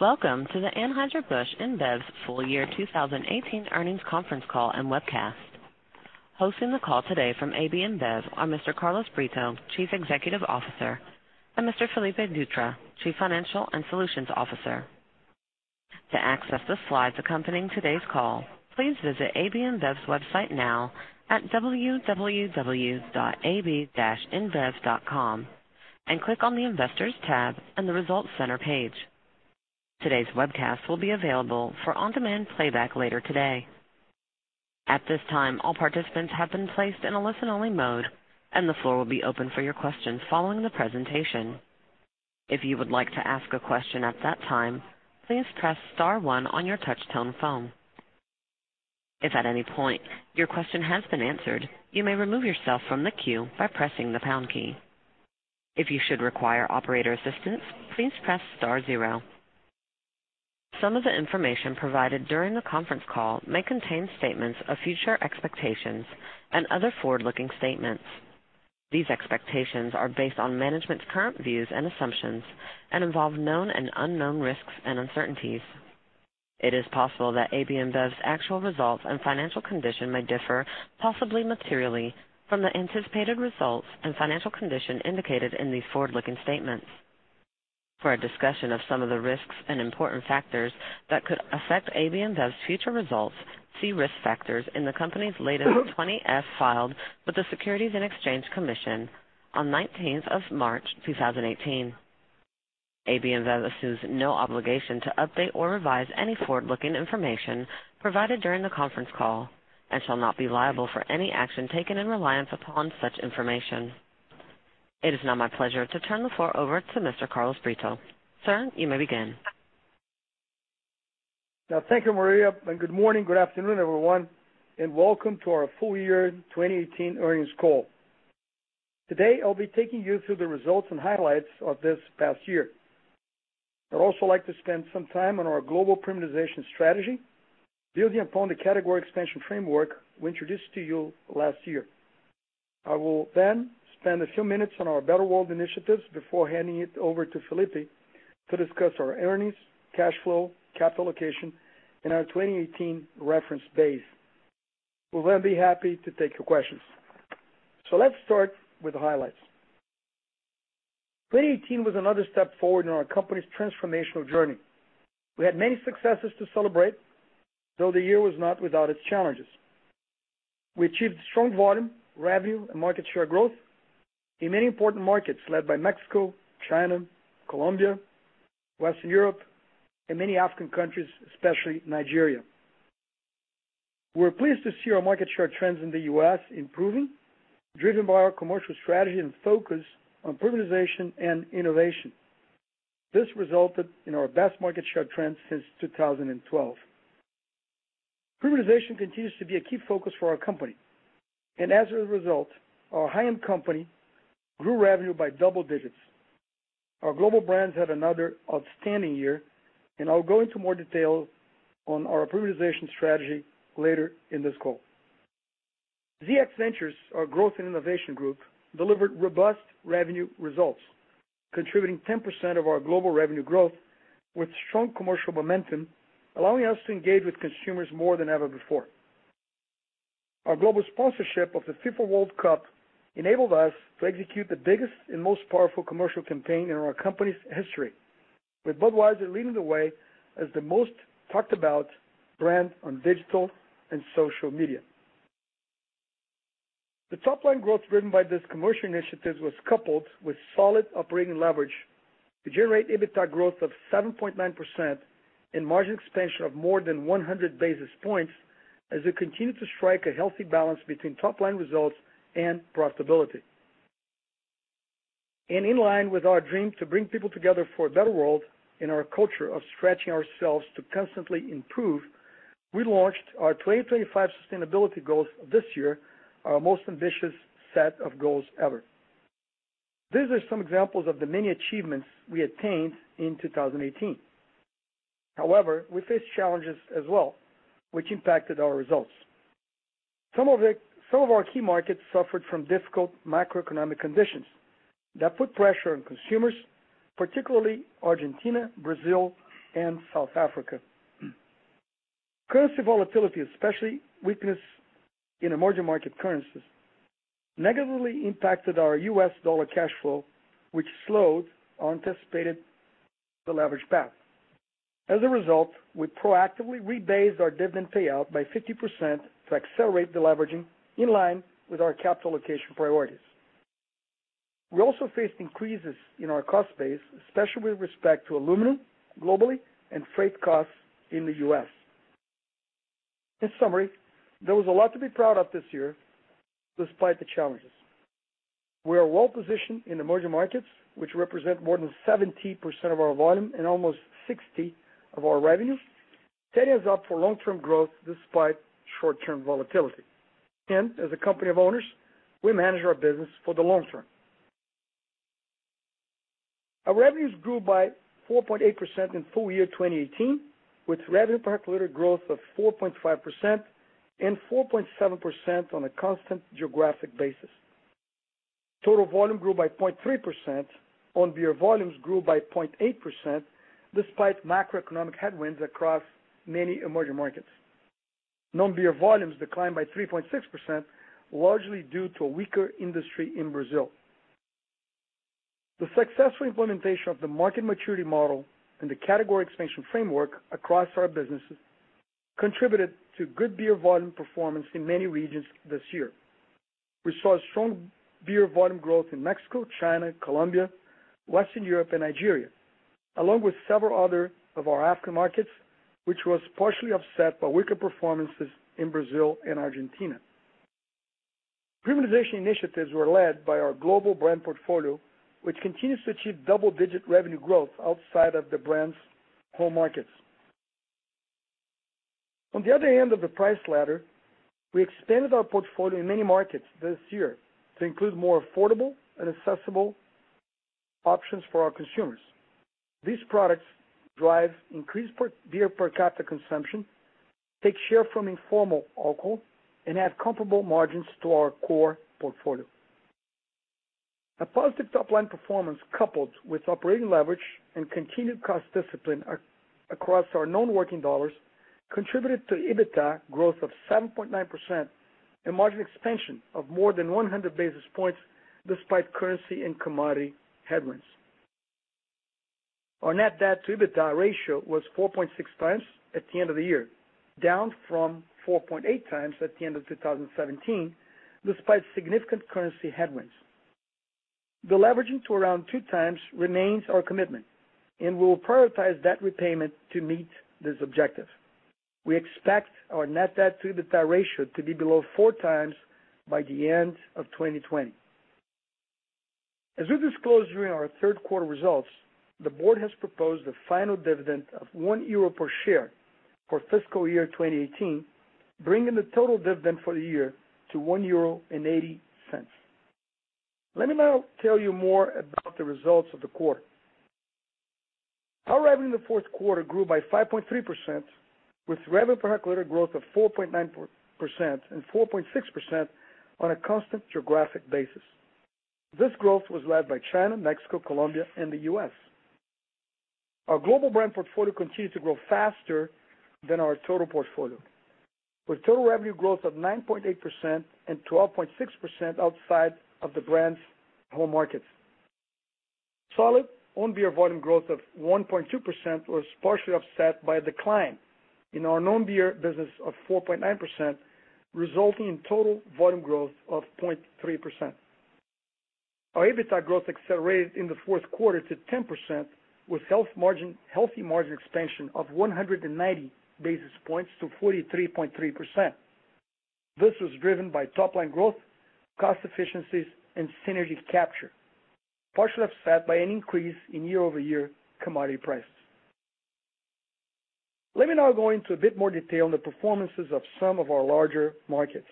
Welcome to the Anheuser-Busch InBev's full year 2018 earnings conference call and webcast. Hosting the call today from AB InBev are Mr. Carlos Brito, Chief Executive Officer, and Mr. Felipe Dutra, Chief Financial and Solutions Officer. To access the slides accompanying today's call, please visit AB InBev's website now at www.ab-inbev.com and click on the Investors tab and the Results Center page. Today's webcast will be available for on-demand playback later today. At this time, all participants have been placed in a listen-only mode, and the floor will be open for your questions following the presentation. If you would like to ask a question at that time, please press star one on your touchtone phone. If at any point your question has been answered, you may remove yourself from the queue by pressing the pound key. If you should require operator assistance, please press star zero. Some of the information provided during the conference call may contain statements of future expectations and other forward-looking statements. These expectations are based on management's current views and assumptions and involve known and unknown risks and uncertainties. It is possible that AB InBev's actual results and financial condition may differ, possibly materially, from the anticipated results and financial condition indicated in these forward-looking statements. For a discussion of some of the risks and important factors that could affect AB InBev's future results, see risk factors in the company's latest 20-F filed with the Securities and Exchange Commission on 19th of March 2018. AB InBev assumes no obligation to update or revise any forward-looking information provided during the conference call and shall not be liable for any action taken in reliance upon such information. It is now my pleasure to turn the floor over to Mr. Carlos Brito. Sir, you may begin. Thank you, Maria, and good morning, good afternoon, everyone, and welcome to our full year 2018 earnings call. Today, I'll be taking you through the results and highlights of this past year. I'd also like to spend some time on our global premiumization strategy, building upon the category expansion framework we introduced to you last year. I will then spend a few minutes on our Better World initiatives before handing it over to Felipe to discuss our earnings, cash flow, capital allocation, and our 2018 reference base. We'll then be happy to take your questions. Let's start with the highlights. 2018 was another step forward in our company's transformational journey. We had many successes to celebrate, though the year was not without its challenges. We achieved strong volume, revenue, and market share growth in many important markets, led by Mexico, China, Colombia, Western Europe, and many African countries, especially Nigeria. We're pleased to see our market share trends in the U.S. improving, driven by our commercial strategy and focus on premiumization and innovation. This resulted in our best market share trends since 2012. Premiumization continues to be a key focus for our company. As a result, The High End Company grew revenue by double digits. Our global brands had another outstanding year, I'll go into more detail on our premiumization strategy later in this call. ZX Ventures, our growth and innovation group, delivered robust revenue results, contributing 10% of our global revenue growth with strong commercial momentum, allowing us to engage with consumers more than ever before. Our global sponsorship of the FIFA World Cup enabled us to execute the biggest and most powerful commercial campaign in our company's history, with Budweiser leading the way as the most talked about brand on digital and social media. The top-line growth driven by this commercial initiative was coupled with solid operating leverage to generate EBITDA growth of 7.9% and margin expansion of more than 100 basis points as we continue to strike a healthy balance between top-line results and profitability. In line with our dream to bring people together for a better world and our culture of stretching ourselves to constantly improve, we launched our 2025 sustainability goals this year, our most ambitious set of goals ever. These are some examples of the many achievements we attained in 2018. However, we faced challenges as well, which impacted our results. Some of our key markets suffered from difficult macroeconomic conditions that put pressure on consumers, particularly Argentina, Brazil, and South Africa. Currency volatility, especially weakness in emerging market currencies, negatively impacted our U.S. dollar cash flow, which slowed our anticipated deleverage path. As a result, we proactively rebased our dividend payout by 50% to accelerate deleveraging in line with our capital allocation priorities. We also faced increases in our cost base, especially with respect to aluminum globally and freight costs in the U.S. In summary, there was a lot to be proud of this year, despite the challenges. We are well-positioned in emerging markets, which represent more than 70% of our volume and almost 60% of our revenue, setting us up for long-term growth despite short-term volatility. As a company of owners, we manage our business for the long term. Our revenues grew by 4.8% in full year 2018, with revenue per hectoliter growth of 4.5% and 4.7% on a constant geographic basis. Total volume grew by 0.3%, on-beer volumes grew by 0.8%, despite macroeconomic headwinds across many emerging markets. Non-beer volumes declined by 3.6%, largely due to a weaker industry in Brazil. The successful implementation of the market maturity model and the category expansion framework across our businesses contributed to good beer volume performance in many regions this year. We saw strong beer volume growth in Mexico, China, Colombia, Western Europe, and Nigeria, along with several other of our African markets, which was partially offset by weaker performances in Brazil and Argentina. Premiumization initiatives were led by our global brand portfolio, which continues to achieve double-digit revenue growth outside of the brands' home markets. On the other end of the price ladder, we expanded our portfolio in many markets this year to include more affordable and accessible options for our consumers. These products drive increased beer per capita consumption, take share from informal alcohol, and add comparable margins to our core portfolio. A positive top-line performance, coupled with operating leverage and continued cost discipline across our non-working dollars, contributed to EBITDA growth of 7.9% and margin expansion of more than 100 basis points despite currency and commodity headwinds. Our net debt-to-EBITDA ratio was 4.6 times at the end of the year, down from 4.8 times at the end of 2017, despite significant currency headwinds. Deleveraging to around two times remains our commitment, and we will prioritize debt repayment to meet this objective. We expect our net debt-to-EBITDA ratio to be below four times by the end of 2020. As we disclosed during our third-quarter results, the board has proposed a final dividend of €1 per share for fiscal year 2018, bringing the total dividend for the year to €1.80. Let me now tell you more about the results of the quarter. Our revenue in the fourth quarter grew by 5.3%, with revenue per hectolitre growth of 4.9% and 4.6% on a constant geographic basis. This growth was led by China, Mexico, Colombia, and the U.S. Our global brand portfolio continues to grow faster than our total portfolio, with total revenue growth of 9.8% and 12.6% outside of the brands' home markets. Solid own-beer volume growth of 1.2% was partially offset by a decline in our non-beer business of 4.9%, resulting in total volume growth of 0.3%. Our EBITDA growth accelerated in the fourth quarter to 10%, with healthy margin expansion of 190 basis points to 43.3%. This was driven by top-line growth, cost efficiencies, and synergy capture, partially offset by an increase in year-over-year commodity prices. Let me now go into a bit more detail on the performances of some of our larger markets.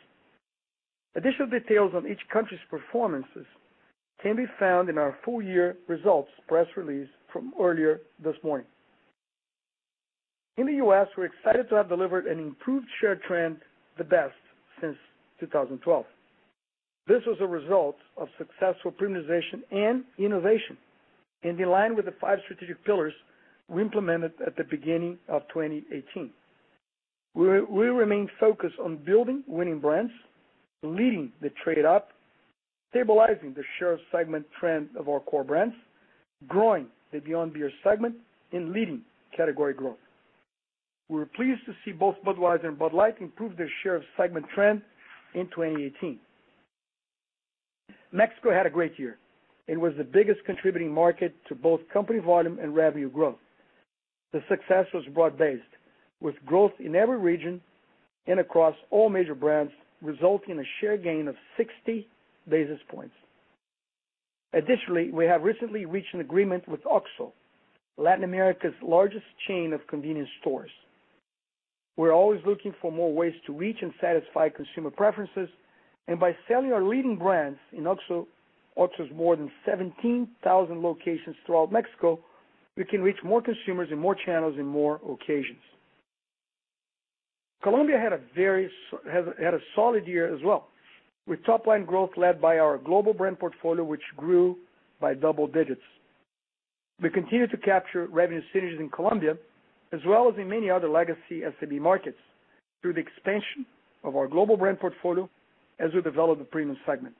Additional details on each country's performances can be found in our full-year results press release from earlier this morning. In the U.S., we're excited to have delivered an improved share trend, the best since 2012. This was a result of successful premiumization and innovation and in line with the five strategic pillars we implemented at the beginning of 2018. We remain focused on building winning brands, leading the trade up, stabilizing the share segment trend of our core brands, growing the beyond beer segment, and leading category growth. We were pleased to see both Budweiser and Bud Light improve their share of segment trend in 2018. Mexico had a great year. It was the biggest contributing market to both company volume and revenue growth. The success was broad-based, with growth in every region and across all major brands, resulting in a share gain of 60 basis points. Additionally, we have recently reached an agreement with OXXO, Latin America's largest chain of convenience stores. We're always looking for more ways to reach and satisfy consumer preferences, and by selling our leading brands in OXXO's more than 17,000 locations throughout Mexico, we can reach more consumers in more channels in more occasions. Colombia had a solid year as well, with top-line growth led by our global brand portfolio, which grew by double digits. We continue to capture revenue synergies in Colombia, as well as in many other legacy SAB markets, through the expansion of our global brand portfolio as we develop the premium segment.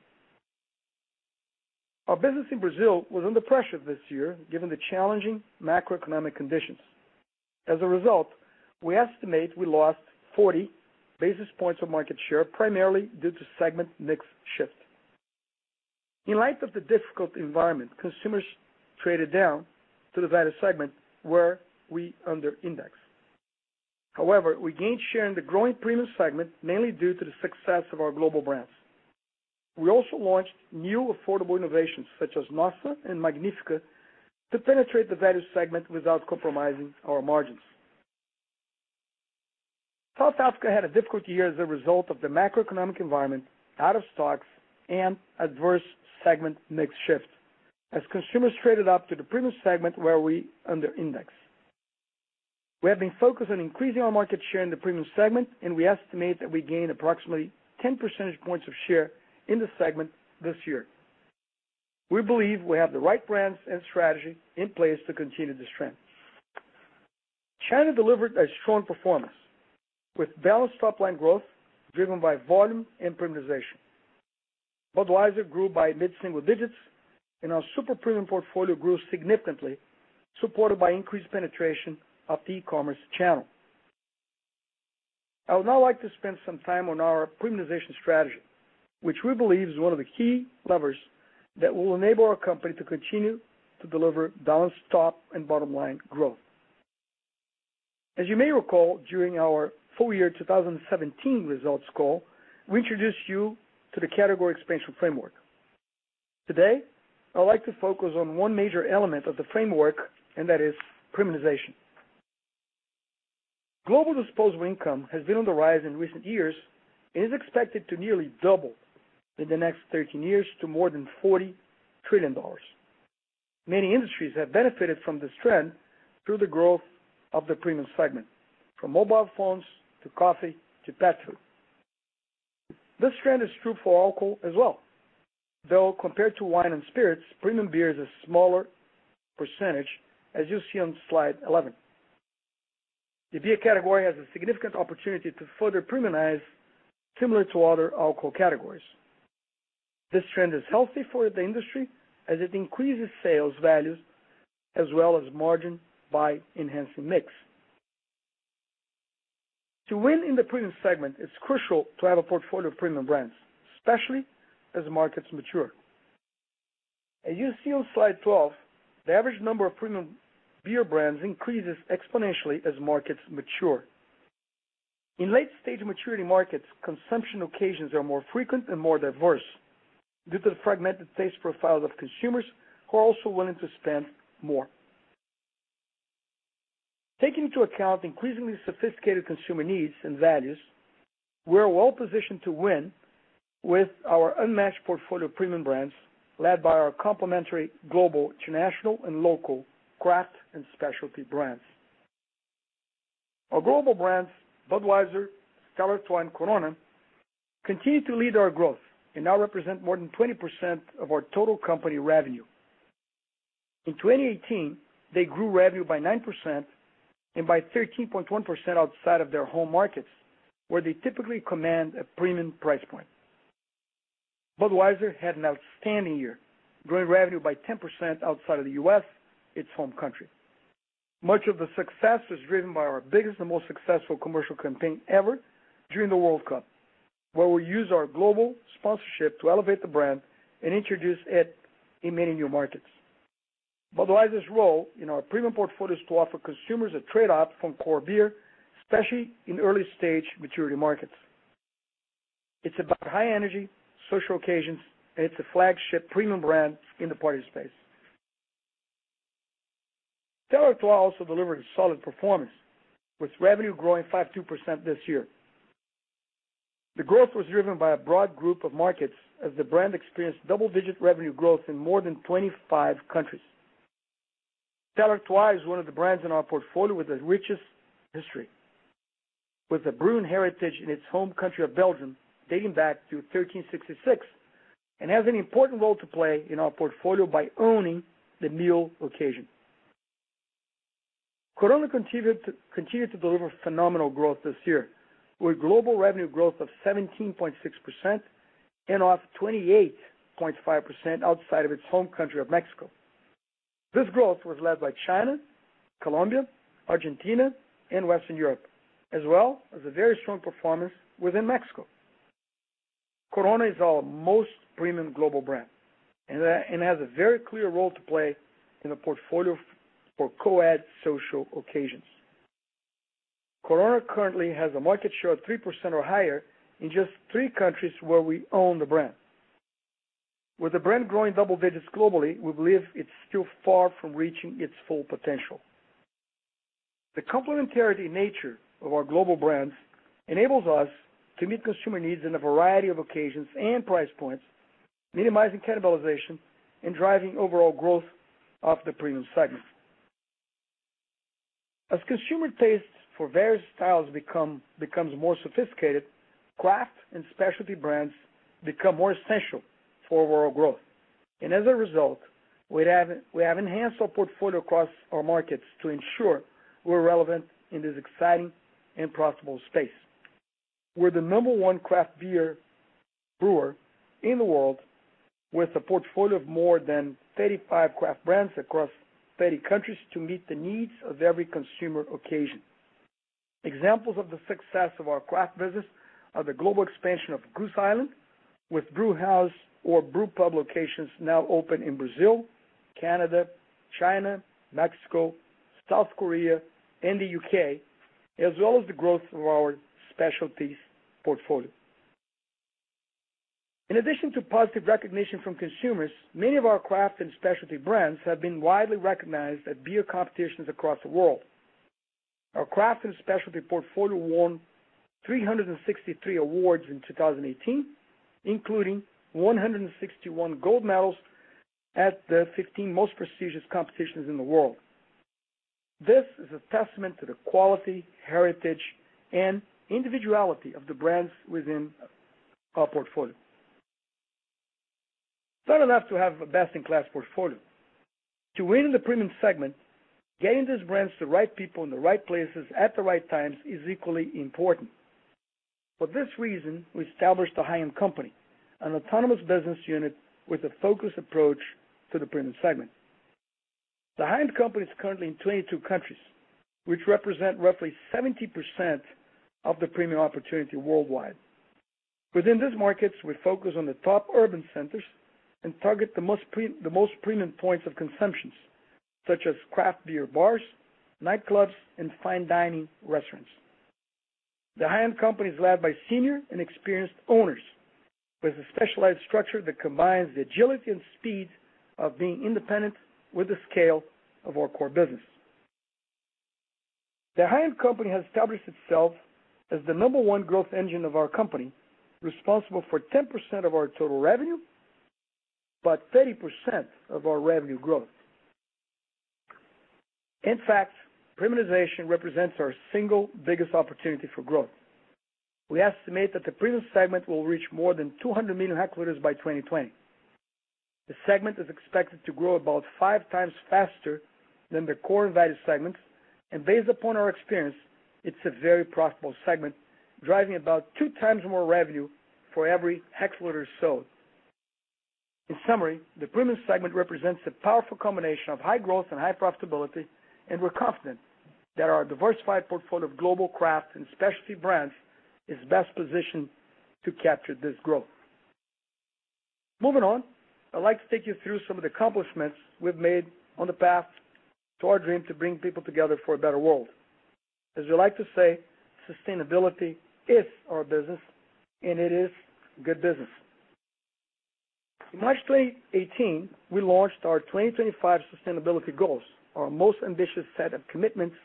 Our business in Brazil was under pressure this year given the challenging macroeconomic conditions. As a result, we estimate we lost 40 basis points of market share, primarily due to segment mix shift. In light of the difficult environment, consumers traded down to the value segment, where we under index. However, we gained share in the growing premium segment, mainly due to the success of our global brands. We also launched new affordable innovations, such as Nossa and Magnífica, to penetrate the value segment without compromising our margins. South Africa had a difficult year as a result of the macroeconomic environment, out of stocks, and adverse segment mix shift, as consumers traded up to the premium segment where we under index. We have been focused on increasing our market share in the premium segment, and we estimate that we gained approximately 10 percentage points of share in this segment this year. We believe we have the right brands and strategy in place to continue this trend. China delivered a strong performance, with balanced top-line growth driven by volume and premiumization. Budweiser grew by mid-single digits, and our super-premium portfolio grew significantly, supported by increased penetration of the e-commerce channel. I would now like to spend some time on our premiumization strategy, which we believe is one of the key levers that will enable our company to continue to deliver balanced top and bottom-line growth. As you may recall, during our full year 2017 results call, we introduced you to the category expansion framework. Today, I would like to focus on one major element of the framework. That is premiumization. Global disposable income has been on the rise in recent years and is expected to nearly double in the next 13 years to more than $40 trillion. Many industries have benefited from this trend through the growth of the premium segment, from mobile phones to coffee to pet food. This trend is true for alcohol as well, though compared to wine and spirits, premium beer is a smaller percentage, as you see on slide 11. The beer category has a significant opportunity to further premiumize similar to other alcohol categories. This trend is healthy for the industry as it increases sales values as well as margin by enhancing mix. To win in the premium segment, it's crucial to have a portfolio of premium brands, especially as markets mature. As you see on slide 12, the average number of premium beer brands increases exponentially as markets mature. In late-stage maturity markets, consumption occasions are more frequent and more diverse due to the fragmented taste profiles of consumers who are also willing to spend more. Taking into account increasingly sophisticated consumer needs and values, we are well-positioned to win with our unmatched portfolio of premium brands led by our complementary global, international, and local craft and specialty brands. Our global brands, Budweiser, Stella Artois, and Corona, continue to lead our growth and now represent more than 20% of our total company revenue. In 2018, they grew revenue by 9% and by 13.1% outside of their home markets, where they typically command a premium price point. Budweiser had an outstanding year, growing revenue by 10% outside of the U.S., its home country. Much of the success was driven by our biggest and most successful commercial campaign ever during the World Cup, where we used our global sponsorship to elevate the brand and introduce it in many new markets. Budweiser's role in our premium portfolio is to offer consumers a trade-off from core beer, especially in early-stage maturity markets. It's about high energy, social occasions. It's a flagship premium brand in the party space. Stella Artois also delivered a solid performance, with revenue growing 52% this year. The growth was driven by a broad group of markets as the brand experienced double-digit revenue growth in more than 25 countries. Stella Artois is one of the brands in our portfolio with the richest history, with a brewing heritage in its home country of Belgium dating back to 1366, and has an important role to play in our portfolio by owning the meal occasion. Corona continued to deliver phenomenal growth this year with global revenue growth of 17.6% and 28.5% outside of its home country of Mexico. This growth was led by China, Colombia, Argentina, and Western Europe, as well as a very strong performance within Mexico. Corona is our most premium global brand and has a very clear role to play in the portfolio for co-ed social occasions. Corona currently has a market share of 3% or higher in just three countries where we own the brand. With the brand growing double digits globally, we believe it's still far from reaching its full potential. The complementarity nature of our global brands enables us to meet consumer needs in a variety of occasions and price points, minimizing cannibalization and driving overall growth of the premium segment. As consumer tastes for various styles becomes more sophisticated, craft and specialty brands become more essential for overall growth. As a result, we have enhanced our portfolio across our markets to ensure we're relevant in this exciting and profitable space. We're the number one craft beer brewer in the world with a portfolio of more than 35 craft brands across 30 countries to meet the needs of every consumer occasion. Examples of the success of our craft business are the global expansion of Goose Island, with brewhouse or brewpub locations now open in Brazil, Canada, China, Mexico, South Korea, and the U.K., as well as the growth of our specialties portfolio. In addition to positive recognition from consumers, many of our craft and specialty brands have been widely recognized at beer competitions across the world. Our craft and specialty portfolio won 363 awards in 2018, including 161 gold medals at the 15 most prestigious competitions in the world. This is a testament to the quality, heritage, and individuality of the brands within our portfolio. It's not enough to have a best-in-class portfolio. To win in the premium segment, getting these brands to the right people in the right places at the right times is equally important. For this reason, we established The High-End Company, an autonomous business unit with a focused approach to the premium segment. The High-End Company is currently in 22 countries, which represent roughly 70% of the premium opportunity worldwide. Within these markets, we focus on the top urban centers and target the most premium points of consumptions, such as craft beer bars, nightclubs, and fine dining restaurants. The High-End Company is led by senior and experienced owners, with a specialized structure that combines the agility and speed of being independent with the scale of our core business. The High-End Company has established itself as the number one growth engine of our company, responsible for 10% of our total revenue, but 30% of our revenue growth. In fact, premiumization represents our single biggest opportunity for growth. We estimate that the premium segment will reach more than 200 million hectoliters by 2020. The segment is expected to grow about five times faster than the core value segments, and based upon our experience, it's a very profitable segment, driving about two times more revenue for every hectoliter sold. In summary, the premium segment represents a powerful combination of high growth and high profitability, and we're confident that our diversified portfolio of global craft and specialty brands is best positioned to capture this growth. Moving on, I'd like to take you through some of the accomplishments we've made on the path to our dream to bring people together for a better world. As we like to say, sustainability is our business, and it is good business. In March 2018, we launched our 2025 Sustainability Goals, our most ambitious set of commitments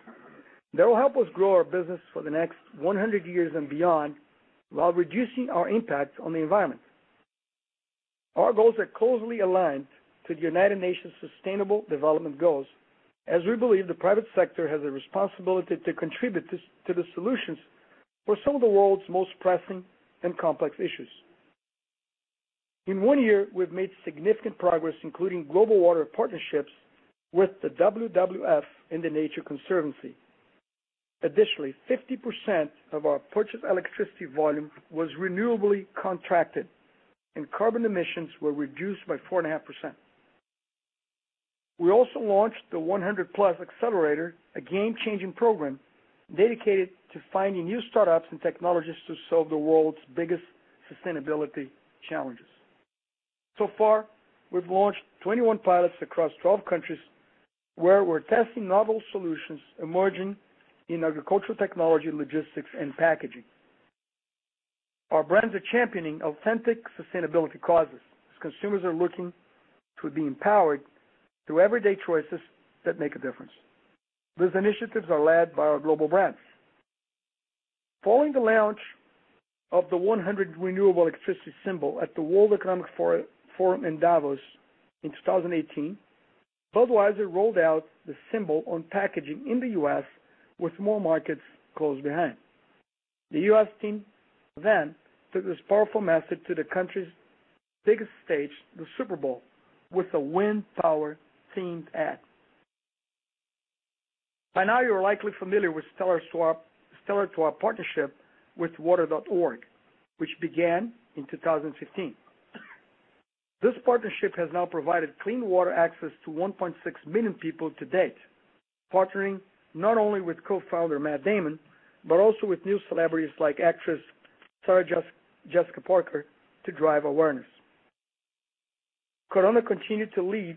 that will help us grow our business for the next 100 years and beyond while reducing our impact on the environment. Our goals are closely aligned to the United Nations Sustainable Development Goals, as we believe the private sector has a responsibility to contribute to the solutions for some of the world's most pressing and complex issues. In one year, we've made significant progress, including global water partnerships with the WWF and The Nature Conservancy. Additionally, 50% of our purchased electricity volume was renewably contracted, and carbon emissions were reduced by 4.5%. We also launched the 100+ Accelerator, a game-changing program dedicated to finding new startups and technologies to solve the world's biggest sustainability challenges. Far, we've launched 21 pilots across 12 countries where we're testing novel solutions emerging in agricultural technology, logistics, and packaging. Our brands are championing authentic sustainability causes as consumers are looking to be empowered through everyday choices that make a difference. These initiatives are led by our global brands. Following the launch of the 100 renewable electricity symbol at the World Economic Forum in Davos in 2018, Budweiser rolled out the symbol on packaging in the U.S., with more markets close behind. The U.S. team took this powerful message to the country's biggest stage, the Super Bowl, with a wind power-themed ad. By now you're likely familiar with Stella Artois partnership with Water.org, which began in 2015. This partnership has now provided clean water access to 1.6 million people to date, partnering not only with co-founder Matt Damon, Also with new celebrities like actress Sarah Jessica Parker to drive awareness. Corona continued to lead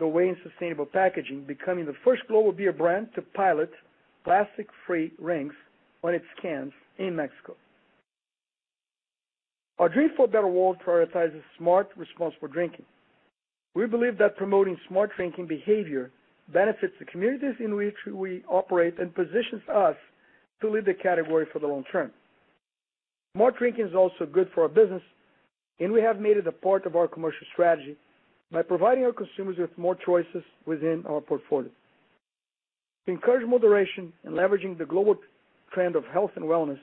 the way in sustainable packaging, becoming the first global beer brand to pilot plastic-free rings on its cans in Mexico. Our dream for a better world prioritizes smart, responsible drinking. We believe that promoting smart drinking behavior benefits the communities in which we operate and positions us to lead the category for the long term. Smart drinking is also good for our business, and we have made it a part of our commercial strategy by providing our consumers with more choices within our portfolio. To encourage moderation in leveraging the global trend of health and wellness,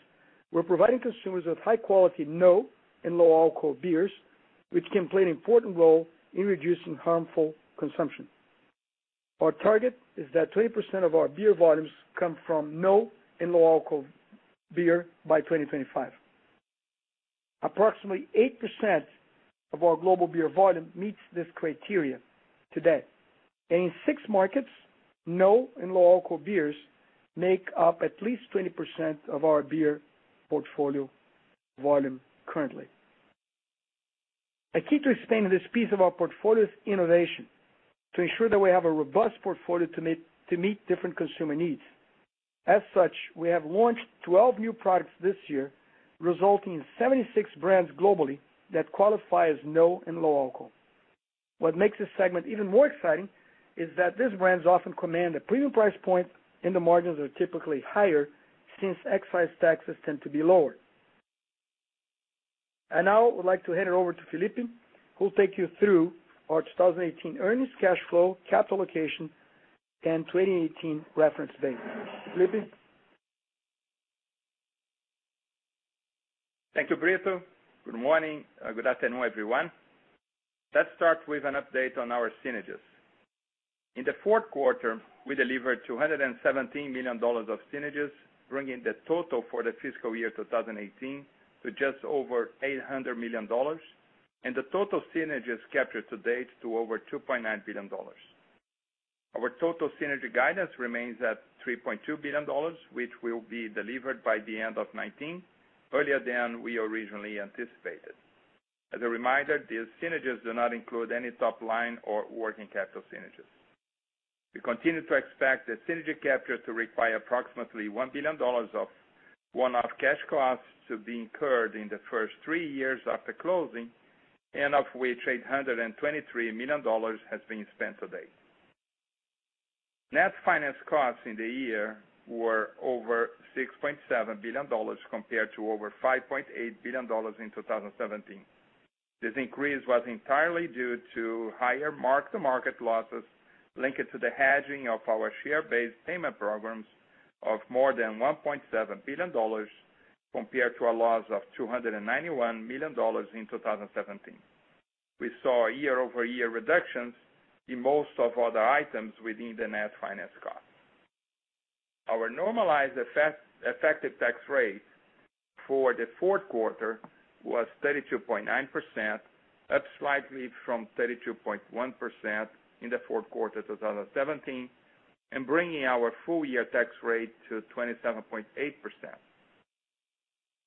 we're providing consumers with high-quality no and low-alcohol beers, which can play an important role in reducing harmful consumption. Our target is that 20% of our beer volumes come from no and low-alcohol beer by 2025. Approximately 8% of our global beer volume meets this criteria today. In six markets, no and low-alcohol beers make up at least 20% of our beer portfolio volume currently. A key to expanding this piece of our portfolio is innovation to ensure that we have a robust portfolio to meet different consumer needs. As such, we have launched 12 new products this year, resulting in 76 brands globally that qualify as no and low alcohol. What makes this segment even more exciting is that these brands often command a premium price point, and the margins are typically higher since excise taxes tend to be lower. Now I would like to hand it over to Felipe, who will take you through our 2018 earnings, cash flow, capital allocation, and 2018 reference base. Felipe? Thank you, Brito. Good morning. Good afternoon, everyone. Let's start with an update on our synergies. In the fourth quarter, we delivered EUR 217 million of synergies, bringing the total for the fiscal year 2018 to just over EUR 800 million, and the total synergies captured to date to over EUR 2.9 billion. Our total synergy guidance remains at EUR 3.2 billion, which will be delivered by the end of 2019, earlier than we originally anticipated. As a reminder, these synergies do not include any top line or working capital synergies. We continue to expect that synergy capture to require approximately EUR 1 billion of one-off cash costs to be incurred in the first three years after closing, and of which EUR 823 million has been spent to date. Net finance costs in the year were over EUR 6.7 billion compared to over EUR 5.8 billion in 2017. This increase was entirely due to higher mark-to-market losses linked to the hedging of our share-based payment programs of more than EUR 1.7 billion, compared to a loss of EUR 291 million in 2017. We saw year-over-year reductions in most of other items within the net finance cost. Our normalized effective tax rate for the fourth quarter was 32.9%, up slightly from 32.1% in the fourth quarter 2017, and bringing our full year tax rate to 27.8%.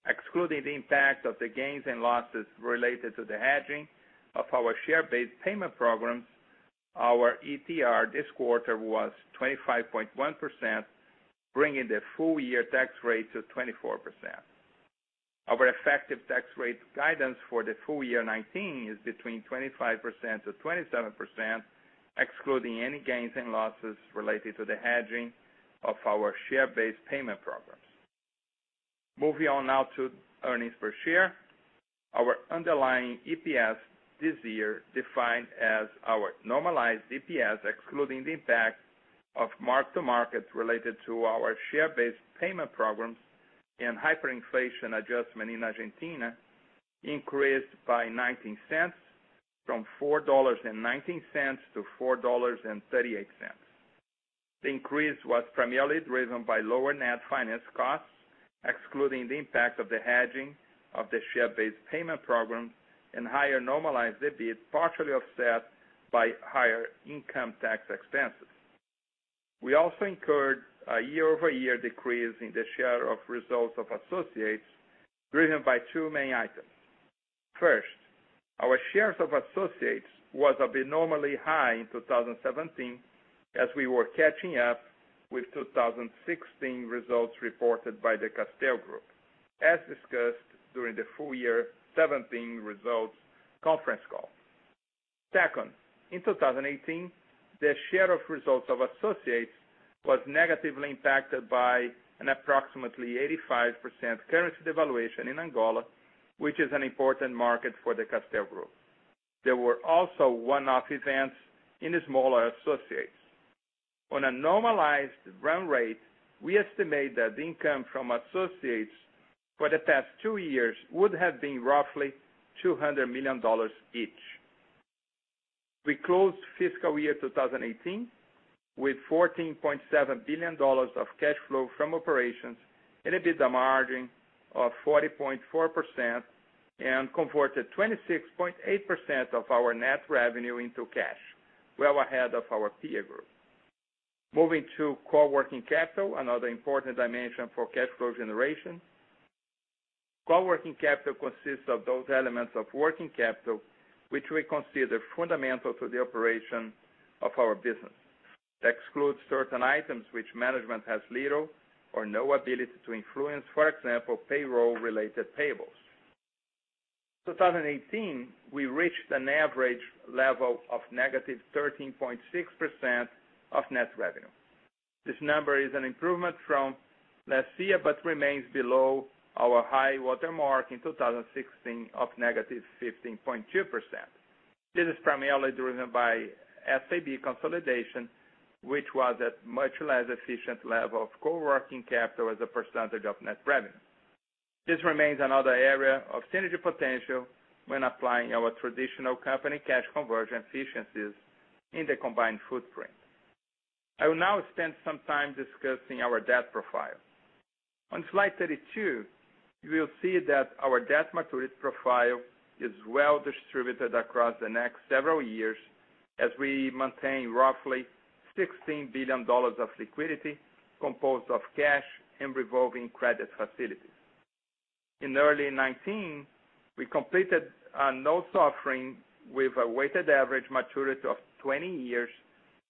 Excluding the impact of the gains and losses related to the hedging of our share-based payment programs, our ETR this quarter was 25.1%, bringing the full year tax rate to 24%. Our effective tax rate guidance for the full year 2019 is between 25%-27%, excluding any gains and losses related to the hedging of our share-based payment programs. Moving on now to earnings per share. Our underlying EPS this year, defined as our normalized EPS, excluding the impact of mark-to-market related to our share-based payment programs and hyperinflation adjustment in Argentina, increased by $0.19, from $4.19 to $4.38. The increase was primarily driven by lower net finance costs, excluding the impact of the hedging of the share-based payment program and higher normalized EBIT, partially offset by higher income tax expenses. We also incurred a year-over-year decrease in the share of results of associates driven by two main items. First, our shares of associates was abnormally high in 2017 as we were catching up with 2016 results reported by the Castel Group, as discussed during the full year 2017 results conference call. Second, in 2018, the share of results of associates was negatively impacted by an approximately 85% currency devaluation in Angola, which is an important market for the Castel Group. There were also one-off events in the smaller associates. On a normalized run rate, we estimate that the income from associates for the past two years would have been roughly $200 million each. We closed fiscal year 2018 with $14.7 billion of cash flow from operations, an EBITDA margin of 40.4%, and converted 26.8% of our net revenue into cash, well ahead of our peer group. Moving to core working capital, another important dimension for cash flow generation. Core working capital consists of those elements of working capital, which we consider fundamental to the operation of our business. Excludes certain items which management has little or no ability to influence, for example, payroll-related payables. 2018, we reached an average level of negative 13.6% of net revenue. This number is an improvement from last year, but remains below our high watermark in 2016 of negative 15.2%. This is primarily driven by SAB consolidation, which was at much less efficient level of core working capital as a percentage of net revenue. This remains another area of synergy potential when applying our traditional company cash conversion efficiencies in the combined footprint. I will now spend some time discussing our debt profile. On slide 32, you will see that our debt maturity profile is well distributed across the next several years as we maintain roughly $16 billion of liquidity composed of cash and revolving credit facilities. In early 2019, we completed a notes offering with a weighted average maturity of 20 years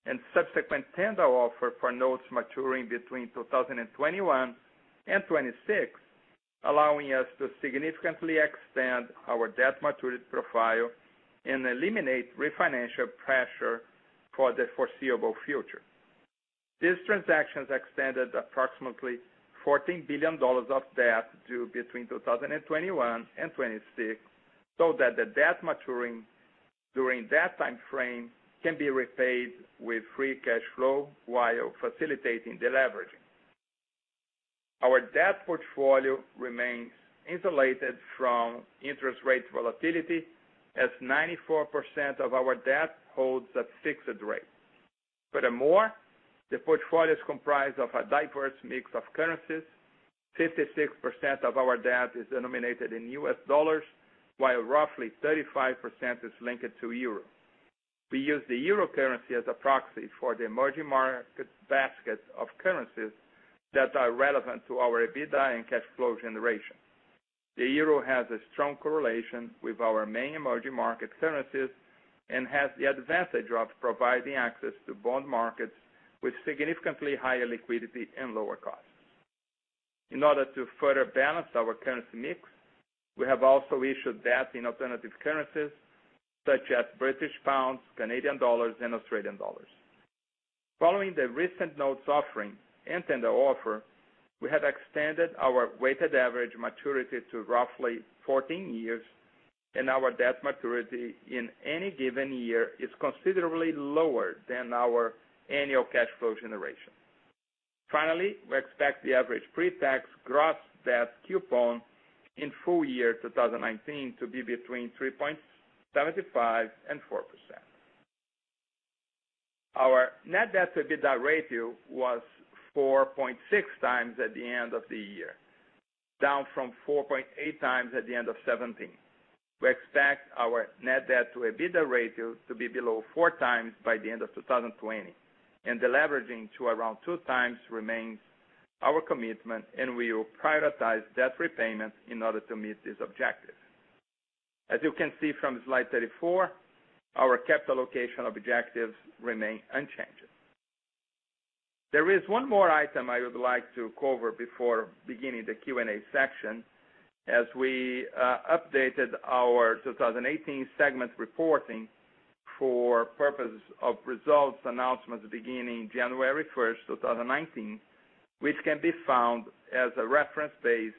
and subsequent tender offer for notes maturing between 2021 and 2026, allowing us to significantly extend our debt maturity profile and eliminate refinance pressure for the foreseeable future. These transactions extended approximately $14 billion of debt due between 2021 and 2026, so that the debt maturing during that timeframe can be repaid with free cash flow while facilitating deleveraging. Our debt portfolio remains insulated from interest rate volatility, as 94% of our debt holds a fixed rate. Furthermore, the portfolio is comprised of a diverse mix of currencies. 56% of our debt is denominated in US dollars, while roughly 35% is linked to euro. We use the euro currency as a proxy for the emerging market basket of currencies that are relevant to our EBITDA and cash flow generation. The euro has a strong correlation with our main emerging market currencies and has the advantage of providing access to bond markets with significantly higher liquidity and lower costs. In order to further balance our currency mix, we have also issued debt in alternative currencies such as GBP, CAD, and AUD. Following the recent notes offering and tender offer, we have extended our weighted average maturity to roughly 14 years, and our debt maturity in any given year is considerably lower than our annual cash flow generation. Finally, we expect the average pre-tax gross debt coupon in full year 2019 to be between 3.75% and 4%. Our net debt to EBITDA ratio was 4.6 times at the end of the year, down from 4.8 times at the end of 2017. We expect our net debt to EBITDA ratio to be below four times by the end of 2020. Deleveraging to around two times remains our commitment, and we will prioritize debt repayments in order to meet this objective. As you can see from slide 34, our capital allocation objectives remain unchanged. There is one more item I would like to cover before beginning the Q&A section, as we updated our 2018 segment reporting for purpose of results announcements beginning January 1st, 2019, which can be found as a reference base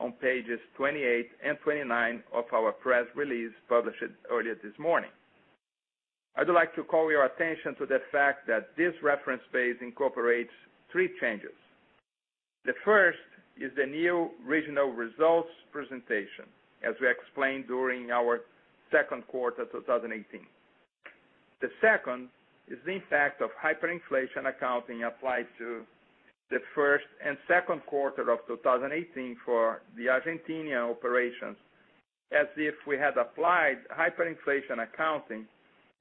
on pages 28 and 29 of our press release published earlier this morning. I would like to call your attention to the fact that this reference base incorporates three changes. The first is the new regional results presentation, as we explained during our second quarter 2018. The second is the impact of hyperinflation accounting applied to the first and second quarter of 2018 for the Argentinian operations, as if we had applied hyperinflation accounting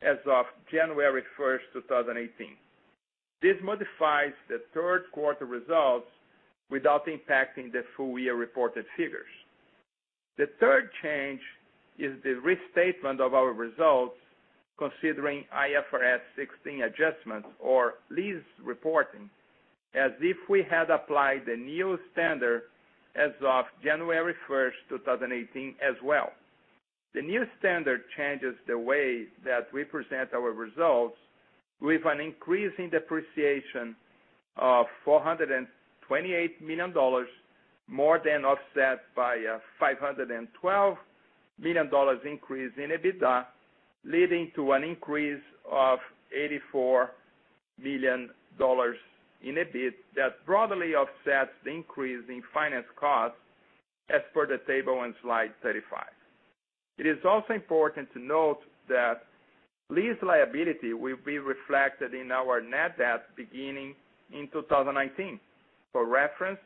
as of January 1st, 2018. This modifies the third quarter results without impacting the full-year reported figures. The third change is the restatement of our results considering IFRS 16 adjustments or lease reporting as if we had applied the new standard as of January 1st, 2018 as well. The new standard changes the way that we present our results with an increase in depreciation of EUR 428 million, more than offset by a EUR 512 million increase in EBITDA, leading to an increase of EUR 84 million in EBIT that broadly offsets the increase in finance costs as per the table on slide 35. It is also important to note that lease liability will be reflected in our net debt beginning in 2019. For reference,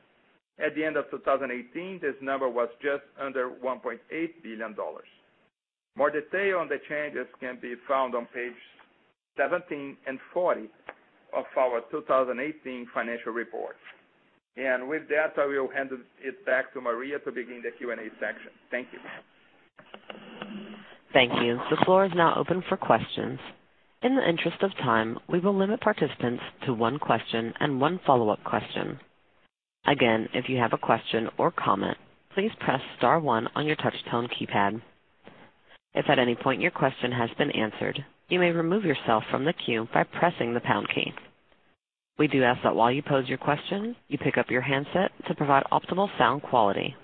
at the end of 2018, this number was just under EUR 1.8 billion. More detail on the changes can be found on page 17 and 40 of our 2018 financial report. With that, I will hand it back to Maria to begin the Q&A section. Thank you. Thank you. The floor is now open for questions. In the interest of time, we will limit participants to one question and one follow-up question. Again, if you have a question or comment, please press star one on your touch tone keypad. If at any point your question has been answered, you may remove yourself from the queue by pressing the pound key. We do ask that while you pose your question, you pick up your handset to provide optimal sound quality.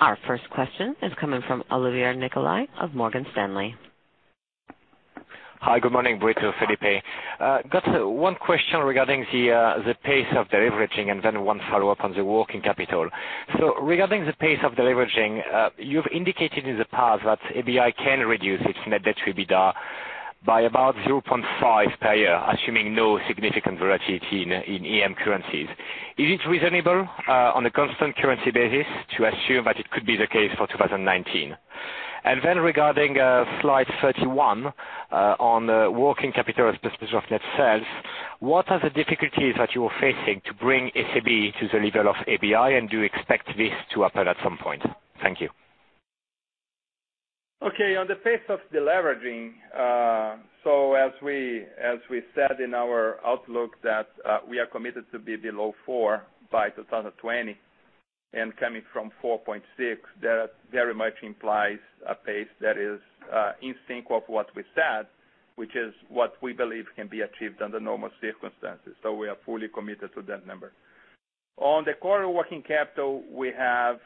Our first question is coming from Olivier Nicolai of Morgan Stanley. Hi, good morning, Brito, Felipe. Got one question regarding the pace of deleveraging and then one follow-up on the working capital. Regarding the pace of deleveraging, you've indicated in the past that ABI can reduce its net debt to EBITDA by about 0.5 per year, assuming no significant variety in EM currencies. Is it reasonable on a constant currency basis to assume that it could be the case for 2019? Regarding slide 31 on working capital as % of net sales, what are the difficulties that you are facing to bring SAB to the level of ABI, and do you expect this to happen at some point? Thank you. On the pace of deleveraging, as we said in our outlook that we are committed to be below four by 2020. Coming from 4.6, that very much implies a pace that is in sync of what we said, which is what we believe can be achieved under normal circumstances. We are fully committed to that number. On the core working capital, we have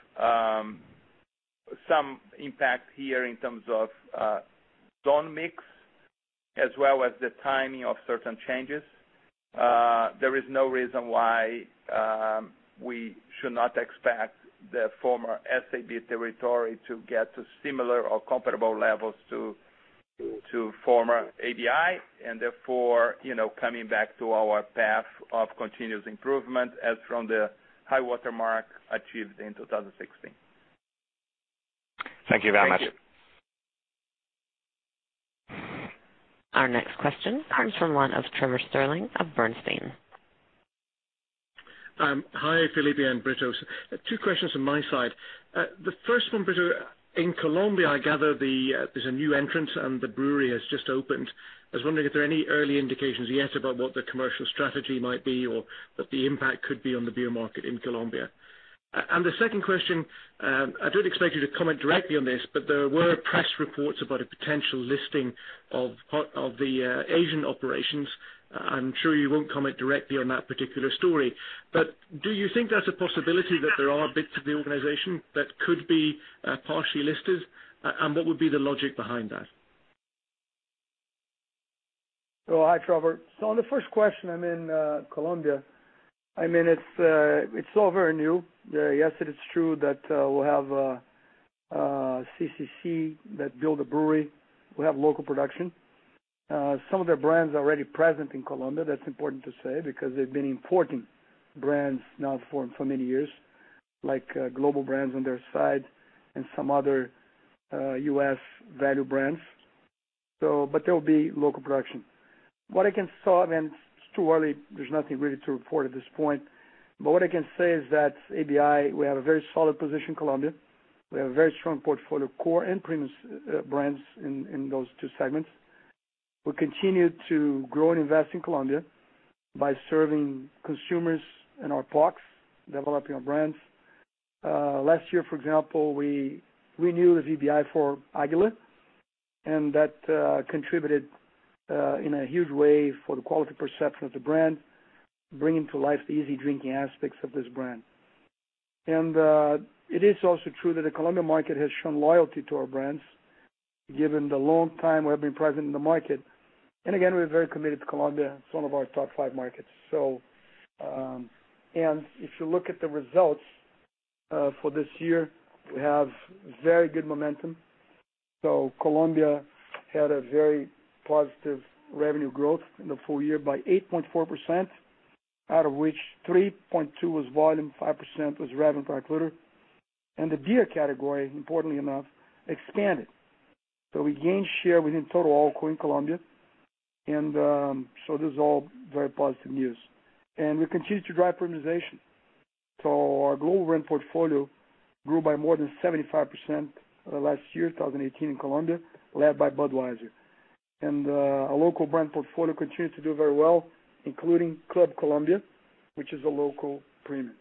some impact here in terms of zone mix as well as the timing of certain changes. There is no reason why we should not expect the former SAB territory to get to similar or comparable levels to former ABI, and therefore, coming back to our path of continuous improvement as from the high-water mark achieved in 2016. Thank you very much. Thank you. Our next question comes from the line of Trevor Stirling of Bernstein. Hi, Felipe and Brito. Two questions from my side. The first one, Brito, in Colombia, I gather there's a new entrance, and the brewery has just opened. I was wondering if there are any early indications yet about what the commercial strategy might be or what the impact could be on the beer market in Colombia. The second question, I don't expect you to comment directly on this, but there were press reports about a potential listing of the Asian operations. I'm sure you won't comment directly on that particular story, but do you think that's a possibility that there are bits of the organization that could be partially listed? What would be the logic behind that? Hi, Trevor. On the first question, I mean, Colombia, it's still very new. Yes, it is true that we'll have CCU that build a brewery. We have local production. Some of their brands are already present in Colombia, that's important to say, because they've been importing brands now for many years. Like global brands on their side and some other U.S. value brands. There will be local production. What I can say, and it's too early, there's nothing really to report at this point, but what I can say is that ABI, we have a very solid position in Colombia. We have a very strong portfolio of core and premium brands in those two segments. We continue to grow and invest in Colombia by serving consumers in our pockets, developing our brands. Last year, for example, we renew the VBI for Aguila, that contributed in a huge way for the quality perception of the brand, bringing to life the easy drinking aspects of this brand. It is also true that the Colombian market has shown loyalty to our brands, given the long time we have been present in the market. Again, we're very committed to Colombia. It's one of our top five markets. If you look at the results for this year, we have very good momentum. Colombia had a very positive revenue growth in the full year by 8.4%, out of which 3.2 was volume, 5% was revenue per hectoliter, and the beer category, importantly enough, expanded. We gained share within total alcohol in Colombia, this is all very positive news. We continue to drive premiumization. Our global brand portfolio grew by more than 75% last year, 2018, in Colombia, led by Budweiser. Our local brand portfolio continued to do very well, including Club Colombia, which is a local premium.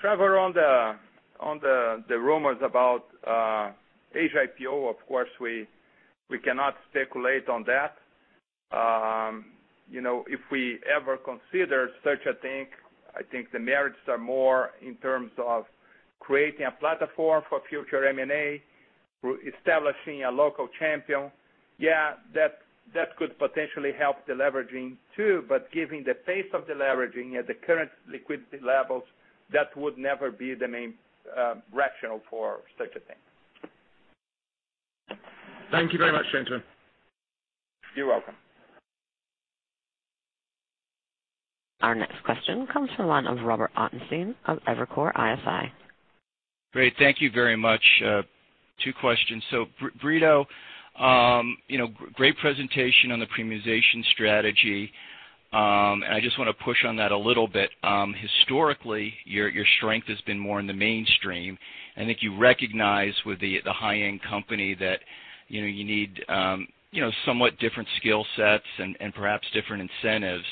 Trevor, on the rumors about Asia IPO, of course, we cannot speculate on that. If we ever consider such a thing, I think the merits are more in terms of creating a platform for future M&A, through establishing a local champion. Yeah, that could potentially help deleveraging too. Given the pace of deleveraging at the current liquidity levels, that would never be the main rationale for such a thing. Thank you very much, gentlemen. You're welcome. Our next question comes from the line of Robert Ottenstein of Evercore ISI. Great. Thank you very much. Two questions. Brito, great presentation on the premiumization strategy. I just want to push on that a little bit. Historically, your strength has been more in the mainstream, and if you recognize with The High End Company that you need somewhat different skill sets and perhaps different incentives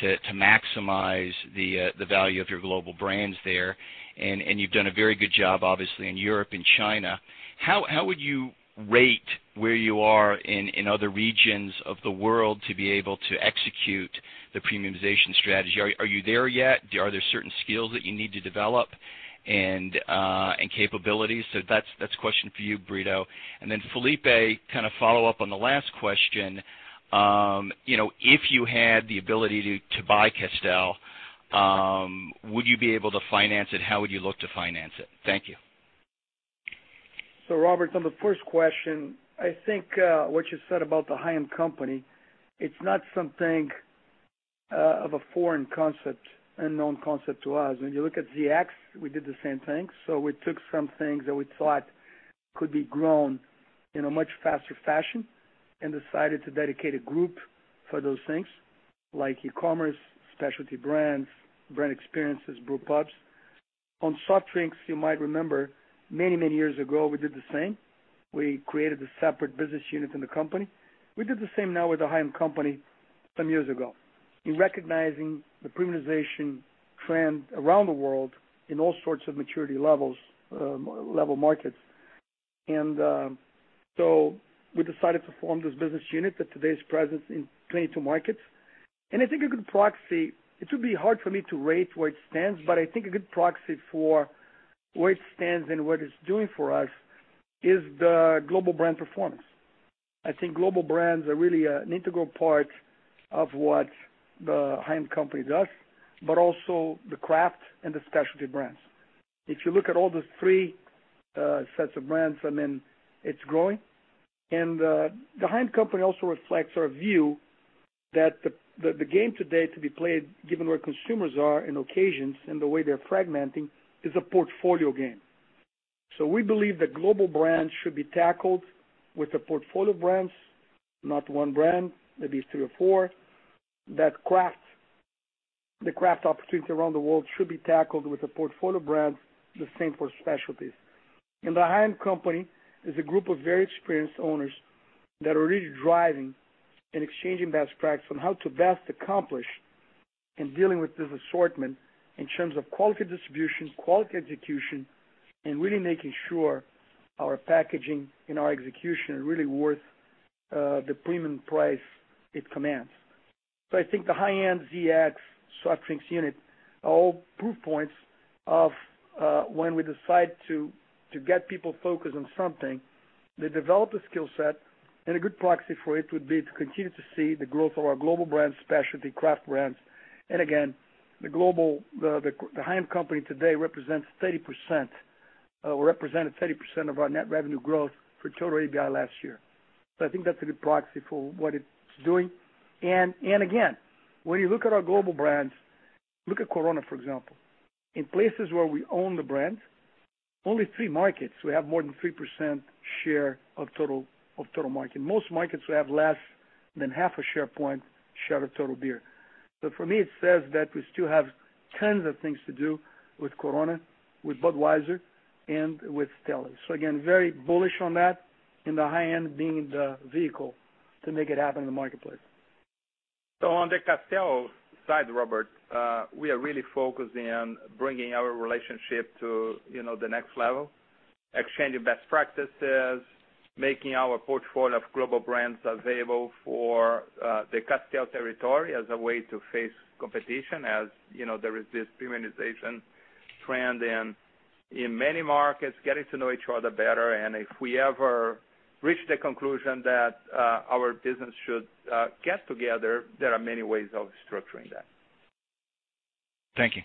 to maximize the value of your global brands there. You've done a very good job, obviously, in Europe and China. How would you rate where you are in other regions of the world to be able to execute the premiumization strategy? Are you there yet? Are there certain skills that you need to develop and capabilities? That's a question for you, Brito. Then Felipe, kind of follow up on the last question. If you had the ability to buy Castel, would you be able to finance it? How would you look to finance it? Thank you. Robert, on the first question, I think, what you said about The High-End Company, it's not something of a foreign concept, a known concept to us. When you look at ZX, we did the same thing. We took some things that we thought could be grown in a much faster fashion and decided to dedicate a group for those things like e-commerce, specialty brands, brand experiences, brew pubs. On soft drinks, you might remember many, many years ago, we did the same. We created a separate business unit in the company. We did the same now with The High-End Company some years ago in recognizing the premiumization trend around the world in all sorts of maturity level markets. We decided to form this business unit that today is present in 22 markets. I think a good proxy, it would be hard for me to rate where it stands, but I think a good proxy for where it stands and what it's doing for us is the global brand performance. I think global brands are really an integral part of what The High-End Company does, but also the craft and the specialty brands. If you look at all the three sets of brands, it's growing. The High-End Company also reflects our view that the game today to be played, given where consumers are in occasions and the way they're fragmenting, is a portfolio game. We believe that global brands should be tackled with the portfolio brands, not one brand, maybe three or four. That the craft opportunities around the world should be tackled with a portfolio brand, the same for specialties. In The High-End Company is a group of very experienced owners that are really driving and exchanging best practices on how to best accomplish in dealing with this assortment in terms of quality distribution, quality execution, and really making sure our packaging and our execution are really worth the premium price it commands. I think The High-End, ZX, soft drinks unit, are all proof points of when we decide to get people focused on something, they develop a skill set, and a good proxy for it would be to continue to see the growth of our global brand, specialty craft brands. Again, The High-End Company today represents 30%, or represented 30% of our net revenue growth for total AB InBev last year. I think that's a good proxy for what it's doing. Again, when you look at our global brands, look at Corona, for example. In places where we own the brand, only three markets we have more than 3% share of total market. Most markets, we have less than half a share point share of total beer. For me, it says that we still have tons of things to do with Corona, with Budweiser, and with Stella. Again, very bullish on that in The High-End being the vehicle to make it happen in the marketplace. On the Castel side, Robert, we are really focused in bringing our relationship to the next level, exchanging best practices, making our portfolio of global brands available for the Castel territory as a way to face competition, as there is this premiumization trend in many markets, getting to know each other better. If we ever reach the conclusion that our business should get together, there are many ways of structuring that. Thank you.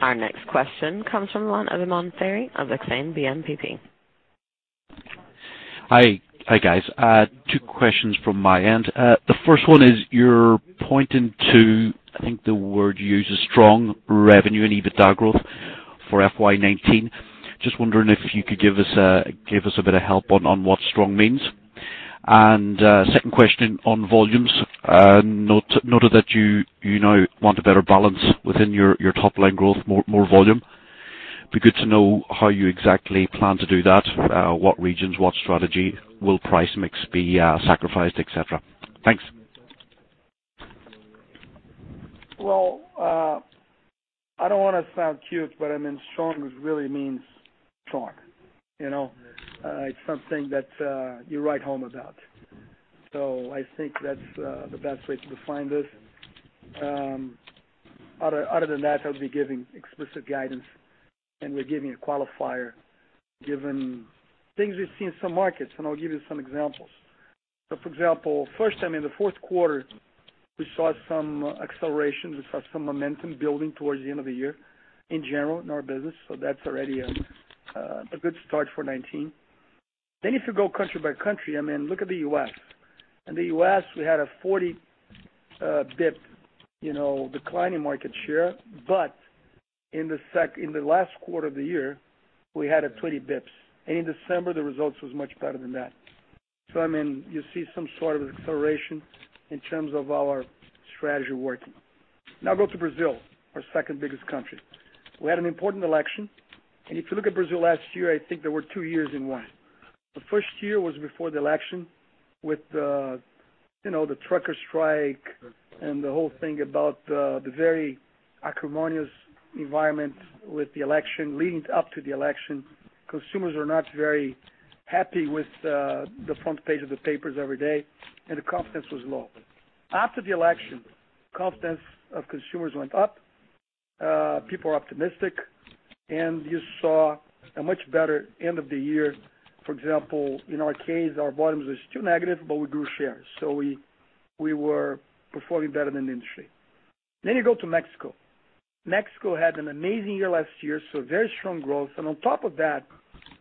Our next question comes from the line of Emanuele Ferraretto of Exane BNP Paribas. Hi, guys. Two questions from my end. The first one is, you're pointing to, I think the word used is strong revenue and EBITDA growth for FY 2019. Just wondering if you could give us a bit of help on what strong means. Second question on volumes. Noted that you now want a better balance within your top line growth, more volume. It'd be good to know how you exactly plan to do that, what regions, what strategy, will price mix be sacrificed, et cetera. Thanks. I don't want to sound cute, strong really means strong. It's something that you write home about. I think that's the best way to define this. Other than that would be giving explicit guidance, and we're giving a qualifier given things we've seen in some markets, and I'll give you some examples. For example, first, in the fourth quarter, we saw some acceleration. We saw some momentum building towards the end of the year in general in our business. That's already a good start for 2019. If you go country by country, look at the U.S. In the U.S., we had a 40 basis points declining market share, in the last quarter of the year, we had a 20 basis points. In December, the results was much better than that. You see some sort of acceleration in terms of our strategy working. Go to Brazil, our second biggest country. We had an important election. If you look at Brazil last year, I think there were two years in one. The first year was before the election with the trucker strike and the whole thing about the very acrimonious environment with the election, leading up to the election. Consumers were not very happy with the front page of the papers every day, and the confidence was low. After the election, confidence of consumers went up. People are optimistic, you saw a much better end of the year. For example, in our case, our volumes were still negative, but we grew shares. We were performing better than the industry. You go to Mexico. Mexico had an amazing year last year, so very strong growth. On top of that,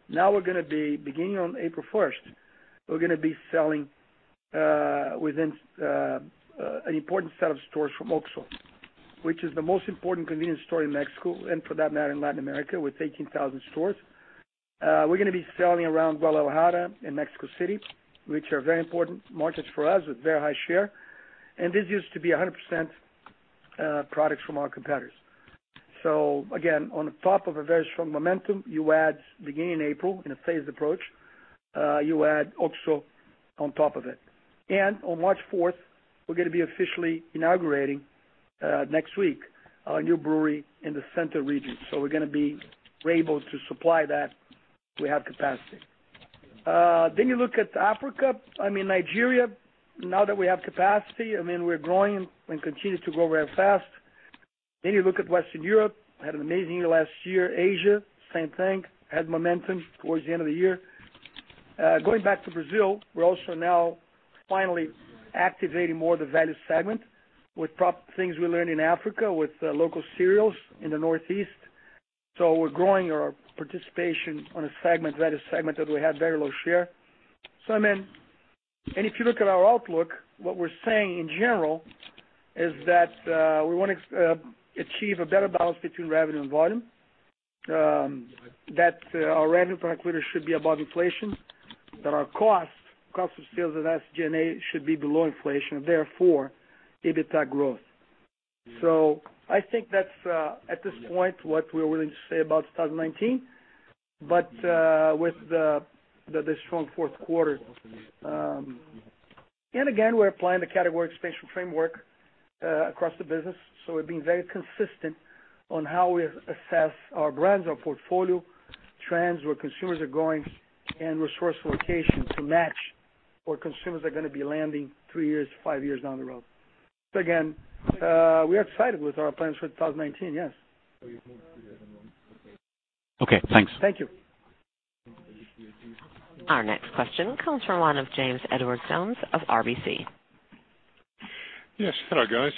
now we're going to be beginning on April 1st, we're going to be selling within an important set of stores from OXXO, which is the most important convenience store in Mexico, and for that matter, in Latin America, with 18,000 stores. We're going to be selling around Guadalajara and Mexico City, which are very important markets for us with very high share. This used to be 100% products from our competitors. Again, on top of a very strong momentum, you add beginning in April, in a phased approach, you add OXXO on top of it. On March 4th, we're going to be officially inaugurating, next week, our new brewery in the center region. We're going to be able to supply that. We have capacity. You look at Africa, I mean, Nigeria, now that we have capacity, we're growing and continue to grow very fast. You look at Western Europe, had an amazing year last year. Asia, same thing, had momentum towards the end of the year. Going back to Brazil, we're also now finally activating more of the value segment with things we learn in Africa with local cereals in the northeast. We're growing our participation on a segment, value segment, that we had very low share. If you look at our outlook, what we're saying in general is that we want to achieve a better balance between revenue and volume, that our revenue per hectoliter should be above inflation, that our costs, cost of sales and SG&A should be below inflation and therefore, EBITDA growth. I think that's at this point what we're willing to say about 2019, but with the strong fourth quarter. Again, we're applying the category expansion framework across the business. We're being very consistent on how we assess our brands, our portfolio, trends, where consumers are going, and resource allocation to match where consumers are going to be landing three years, five years down the road. Again, we are excited with our plans for 2019, yes. Okay, thanks. Thank you. Our next question comes from the line of James Edwardes Jones of RBC. Yes. Hello, guys.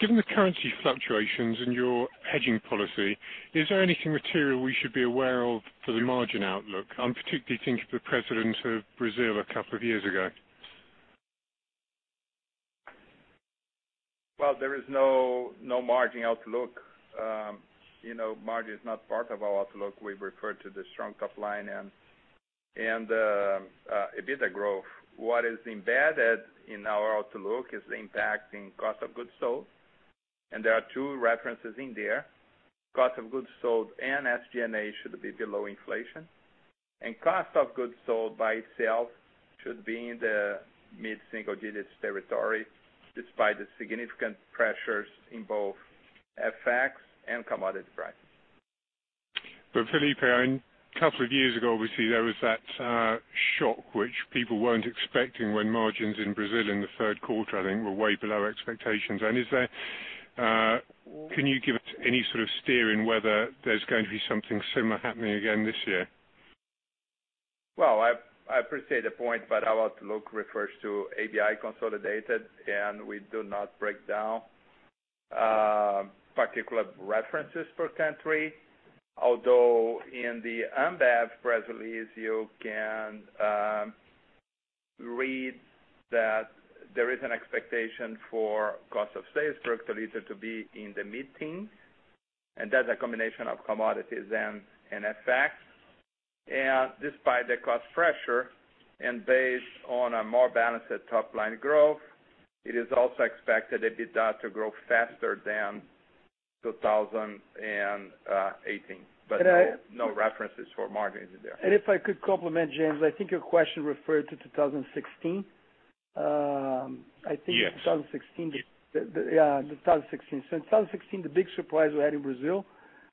Given the currency fluctuations in your hedging policy, is there anything material we should be aware of for the margin outlook? I'm particularly thinking of the president of Brazil a couple of years ago. There is no margin outlook. Margin is not part of our outlook. We've referred to the strong top line and the EBITDA growth. What is embedded in our outlook is the impact in COGS, and there are two references in there. COGS and SG&A should be below inflation, and COGS by itself should be in the mid-single-digits territory, despite the significant pressures in both FX and commodity price. Felipe, a couple of years ago, obviously, there was that shock which people weren't expecting when margins in Brazil in the third quarter, I think, were way below expectations. Can you give us any sort of steer in whether there's going to be something similar happening again this year? I appreciate the point, our outlook refers to AB InBev consolidated, and we do not break down particular references per country. Although in the Ambev press release, you can read that there is an expectation for cost of sales per hectoliter to be in the mid-teens, and that's a combination of commodities and FX. Despite the cost pressure and based on a more balanced top-line growth, it is also expected EBITDA to grow faster than 2018. No references for margin in there. If I could complement, James, I think your question referred to 2016. Yes. Yeah, 2016. In 2016, the big surprise we had in Brazil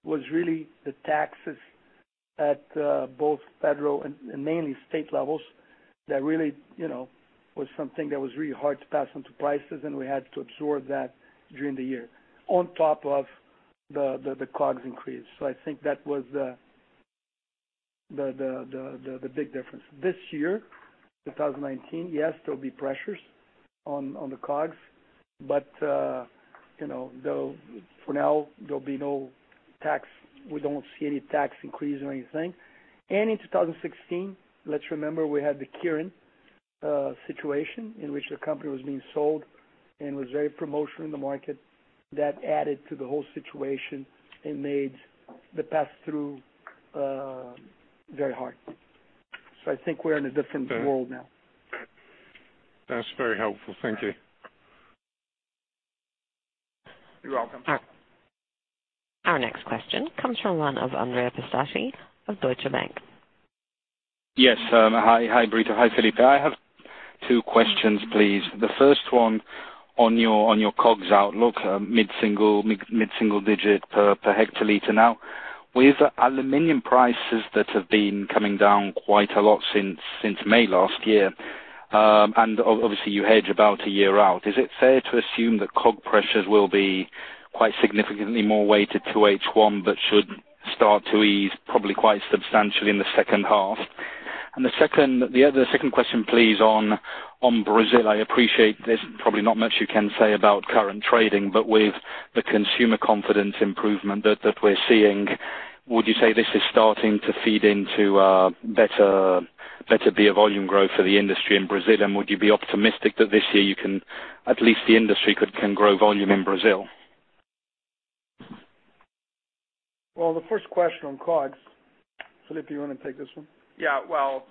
was really the taxes at both federal and mainly state levels. That really was something that was really hard to pass on to prices, and we had to absorb that during the year on top of the COGS increase. I think that was the big difference. This year, 2019, yes, there'll be pressures on the COGS, but for now, there'll be no tax, we don't see any tax increase or anything. In 2016, let's remember, we had the Kirin situation in which the company was being sold and was very promotional in the market. That added to the whole situation and made the pass-through very hard. I think we're in a different world now. That's very helpful. Thank you. You're welcome. Our next question comes from the line of Andrea Pistacchi of Deutsche Bank. Yes. Hi, Brito. Hi, Felipe. I have two questions, please. The first one on your COGS outlook, mid-single digit per hectoliter now. With aluminum prices that have been coming down quite a lot since May last year, and obviously you hedge about a year out, is it fair to assume that COG pressures will be quite significantly more weighted to H1 but should start to ease probably quite substantially in the second half? The second question, please, on Brazil. I appreciate there's probably not much you can say about current trading, but with the consumer confidence improvement that we're seeing, would you say this is starting to feed into better beer volume growth for the industry in Brazil? Would you be optimistic that this year you can, at least the industry can grow volume in Brazil? Well, the first question on COGS. Felipe, you want to take this one? Yeah. Well,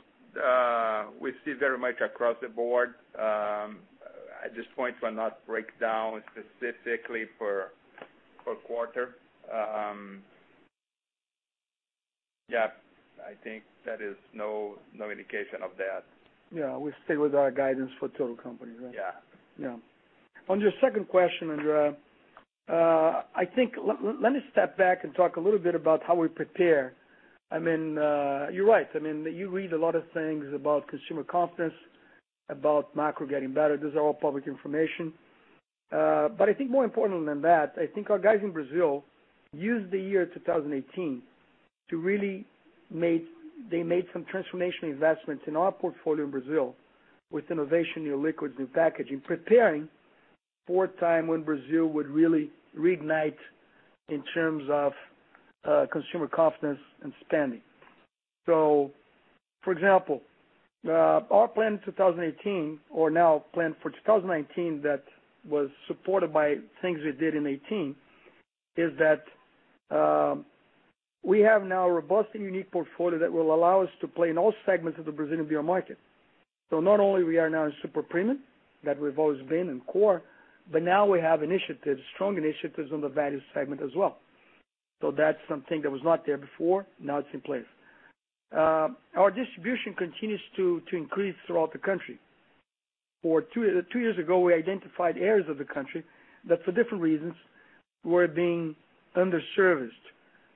we see very much across the board. At this point, we're not breakdown specifically per quarter. Yeah, I think that is no indication of that. Yeah. We stay with our guidance for total company, right? Yeah. Yeah. On your second question, Andrea, let me step back and talk a little bit about how we prepare. You're right. You read a lot of things about consumer confidence, about macro getting better. Those are all public information. I think more important than that, I think our guys in Brazil used the year 2018 to really make some transformational investments in our portfolio in Brazil with innovation, new liquids, new packaging, preparing for a time when Brazil would really reignite in terms of consumer confidence and spending. For example, our plan 2018 or now plan for 2019 that was supported by things we did in 2018, is that we have now a robust and unique portfolio that will allow us to play in all segments of the Brazilian beer market. Not only we are now in super premium, that we've always been in core, but now we have initiatives, strong initiatives on the value segment as well. That's something that was not there before, now it's in place. Our distribution continues to increase throughout the country. Two years ago, we identified areas of the country that, for different reasons, were being underserviced,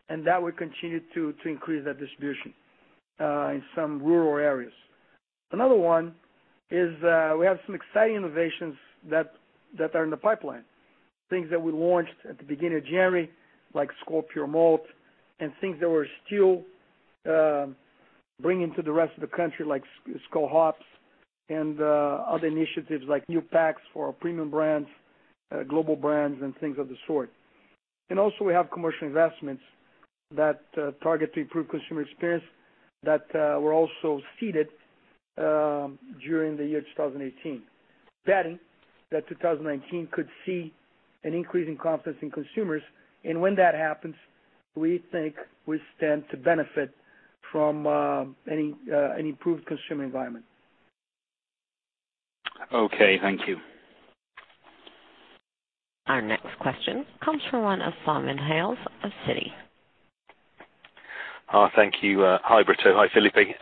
and that we continued to increase that distribution in some rural areas. Another one is, we have some exciting innovations that are in the pipeline. Things that we launched at the beginning of January, like Skol Puro Malte, and things that we're still bringing to the rest of the country, like Skol Hops and other initiatives like new packs for our premium brands, global brands and things of the sort. Also we have commercial investments that target to improve consumer experience that were also seeded during the year 2018, betting that 2019 could see an increase in confidence in consumers. When that happens, we think we stand to benefit from an improved consumer environment. Okay, thank you. Our next question comes from line of Simon Hales of Citi. Thank you. Hi, Brito. Hi, Felipe.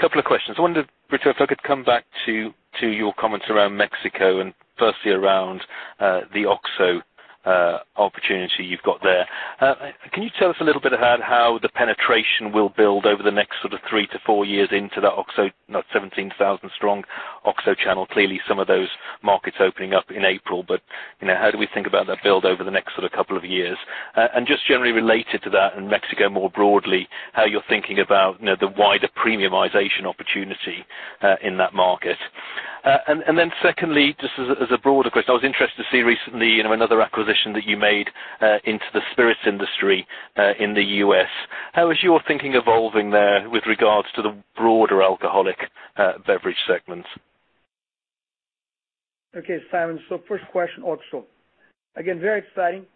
Couple of questions. I wonder, Brito, if I could come back to your comments around Mexico and firstly around the OXXO opportunity you've got there. Can you tell us a little bit about how the penetration will build over the next sort of three to four years into that OXXO, now 17,000 strong OXXO channel? Clearly, some of those markets opening up in April, but how do we think about that build over the next couple of years? Just generally related to that and Mexico more broadly, how you're thinking about the wider premiumization opportunity in that market. Secondly, just as a broader question, I was interested to see recently another acquisition that you made into the spirits industry in the U.S. How is your thinking evolving there with regards to the broader alcoholic beverage segments? Okay, Simon. First question, OXXO. Again, very exciting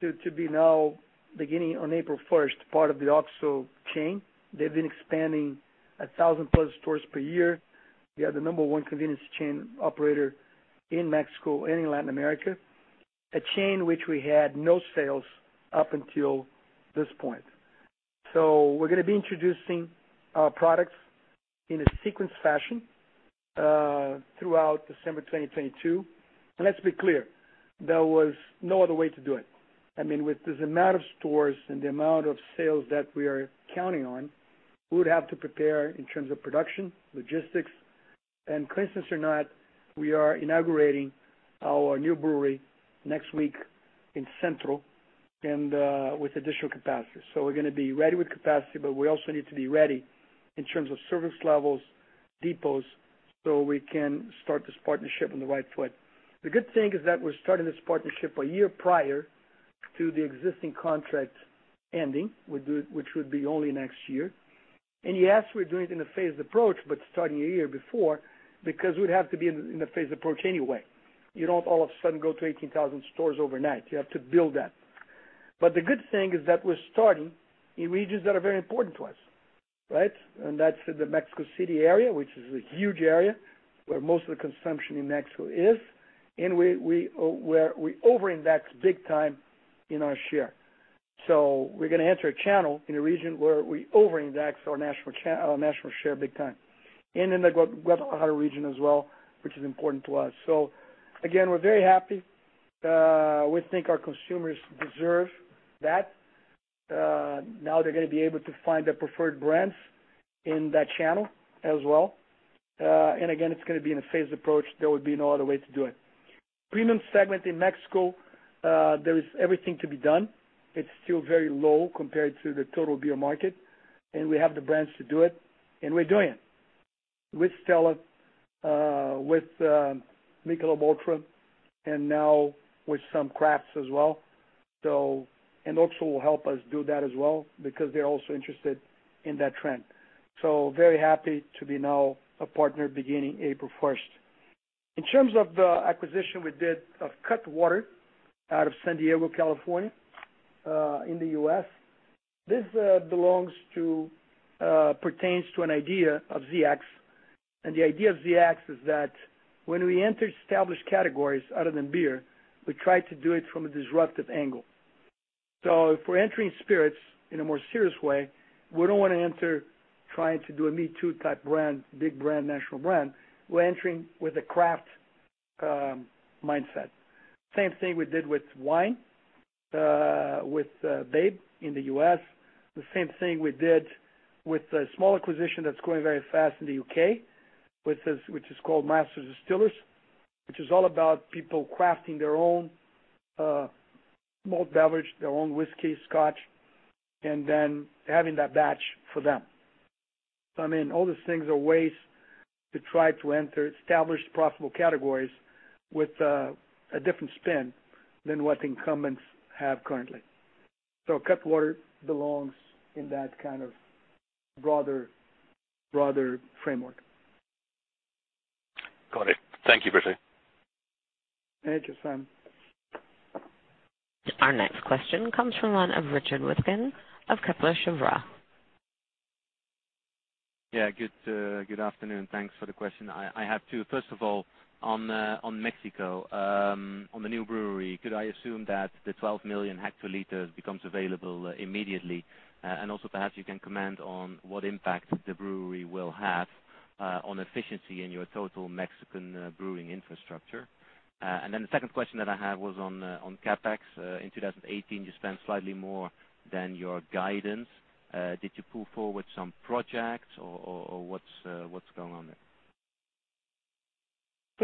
to be now beginning on April 1st, part of the OXXO chain. They've been expanding 1,000 plus stores per year. They are the number 1 convenience chain operator in Mexico and in Latin America. A chain which we had no sales up until this point. We're going to be introducing our products in a sequenced fashion throughout December 2022. Let's be clear, there was no other way to do it. With this amount of stores and the amount of sales that we are counting on, we would have to prepare in terms of production, logistics. Coincidence or not, we are inaugurating our new brewery next week in Centro and with additional capacity. We're going to be ready with capacity, but we also need to be ready in terms of service levels, depots, so we can start this partnership on the right foot. The good thing is that we're starting this partnership a year prior to the existing contract ending, which would be only next year. Yes, we're doing it in a phased approach, but starting a year before because we'd have to be in a phased approach anyway. You don't all of a sudden go to 18,000 stores overnight. You have to build that. But the good thing is that we're starting in regions that are very important to us. Right? That's in the Mexico City area, which is a huge area where most of the consumption in Mexico is, and where we over-index big time in our share. We're going to enter a channel in a region where we over-index our national share big time. And in the Guadalajara region as well, which is important to us. Again, we're very happy. We think our consumers deserve that. Now they're going to be able to find their preferred brands in that channel as well. And again, it's going to be in a phased approach. There would be no other way to do it. Premium segment in Mexico, there is everything to be done. It's still very low compared to the total beer market, and we have the brands to do it, and we're doing it with Stella Artois, with Michelob ULTRA, and now with some crafts as well. And OXXO will help us do that as well because they're also interested in that trend. Very happy to be now a partner beginning April 1st. In terms of the acquisition we did of Cutwater Spirits out of San Diego, California, in the U.S., this pertains to an idea of ZX Ventures. And the idea of ZX Ventures is that when we enter established categories other than beer, we try to do it from a disruptive angle. If we're entering spirits in a more serious way, we don't want to enter trying to do a me too type brand, big brand, national brand. We're entering with a craft mindset. Same thing we did with wine, with BABE in the U.S. The same thing we did with a small acquisition that's growing very fast in the U.K., which is called Master of Malt, which is all about people crafting their own malt beverage, their own whiskey, scotch, and then having that batch for them. I mean, all these things are ways to try to enter established profitable categories with a different spin than what incumbents have currently. Cutwater Spirits belongs in that kind of broader framework. Got it. Thank you, Carlos Brito. Thank you, Simon Hales. Our next question comes from one of Richard Withagen of Kepler Cheuvreux. Yeah, good afternoon. Thanks for the question. I have two. First of all, on Mexico, on the new brewery, could I assume that the 12 million hectoliters becomes available immediately? Also, perhaps you can comment on what impact the brewery will have on efficiency in your total Mexican brewing infrastructure. The second question that I have was on CapEx. In 2018, you spent slightly more than your guidance. Did you pull forward some projects or what's going on there?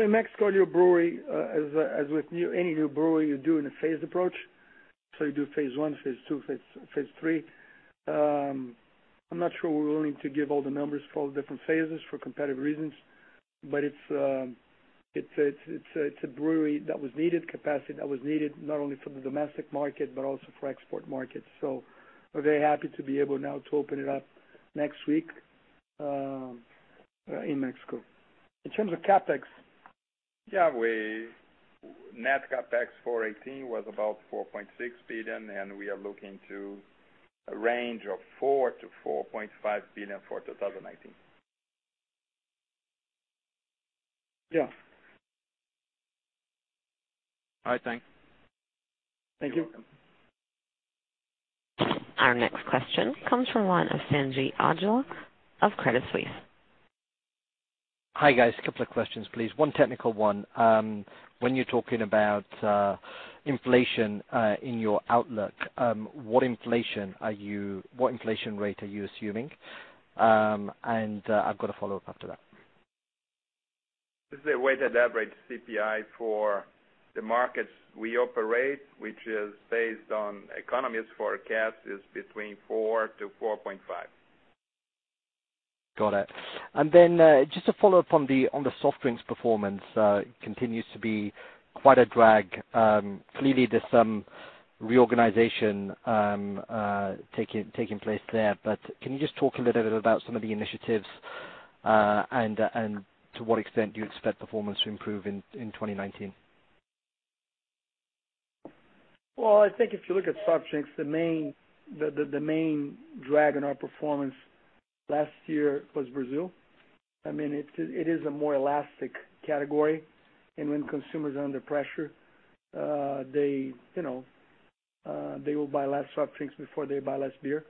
In Mexico, your brewery, as with any new brewery, you do in a phased approach. You do phase 1, phase 2, phase 3. I'm not sure we're willing to give all the numbers for all the different phases for competitive reasons. It's a brewery that was needed, capacity that was needed, not only for the domestic market but also for export markets. We're very happy to be able now to open it up next week in Mexico. In terms of CapEx Yeah, net CapEx for 2018 was about 4.6 billion. We are looking to a range of 4 billion-4.5 billion for 2019. Yeah. All right, thanks. Thank you. You're welcome. Our next question comes from one of Sanjeet Aujla of Credit Suisse. Hi, guys. A couple of questions, please. One technical one. When you're talking about inflation in your outlook, what inflation rate are you assuming? I've got a follow-up after that. This is a weighted average CPI for the markets we operate, which is based on economist forecast, is between 4%-4.5%. Got it. Just a follow-up on the soft drinks performance. Continues to be quite a drag. Clearly, there's some reorganization taking place there. Can you just talk a little bit about some of the initiatives, and to what extent do you expect performance to improve in 2019? I think if you look at soft drinks, the main drag on our performance last year was Brazil. It is a more elastic category, and when consumers are under pressure, they will buy less soft drinks before they buy less beer.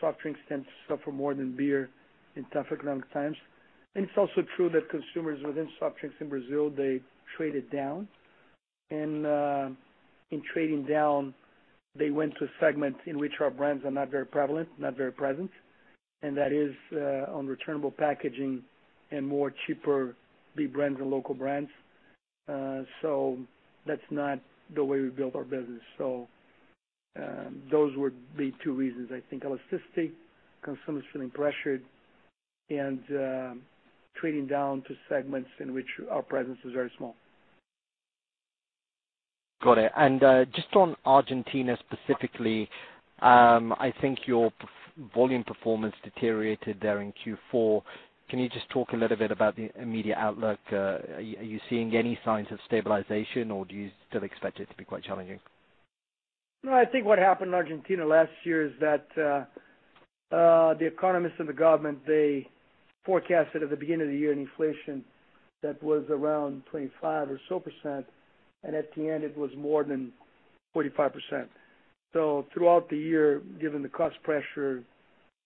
Soft drinks tend to suffer more than beer in tougher economic times. It's also true that consumers within soft drinks in Brazil, they traded down. In trading down, they went to a segment in which our brands are not very prevalent, not very present, and that is on returnable packaging and more cheaper B brands or local brands. That's not the way we built our business. Those would be two reasons, I think. Elasticity, consumers feeling pressured, and trading down to segments in which our presence is very small. Got it. Just on Argentina specifically, I think your volume performance deteriorated there in Q4. Can you just talk a little bit about the immediate outlook? Are you seeing any signs of stabilization, or do you still expect it to be quite challenging? I think what happened in Argentina last year is that the economists and the government, they forecasted at the beginning of the year an inflation that was around 25% or so, and at the end it was more than 45%. Throughout the year, given the cost pressure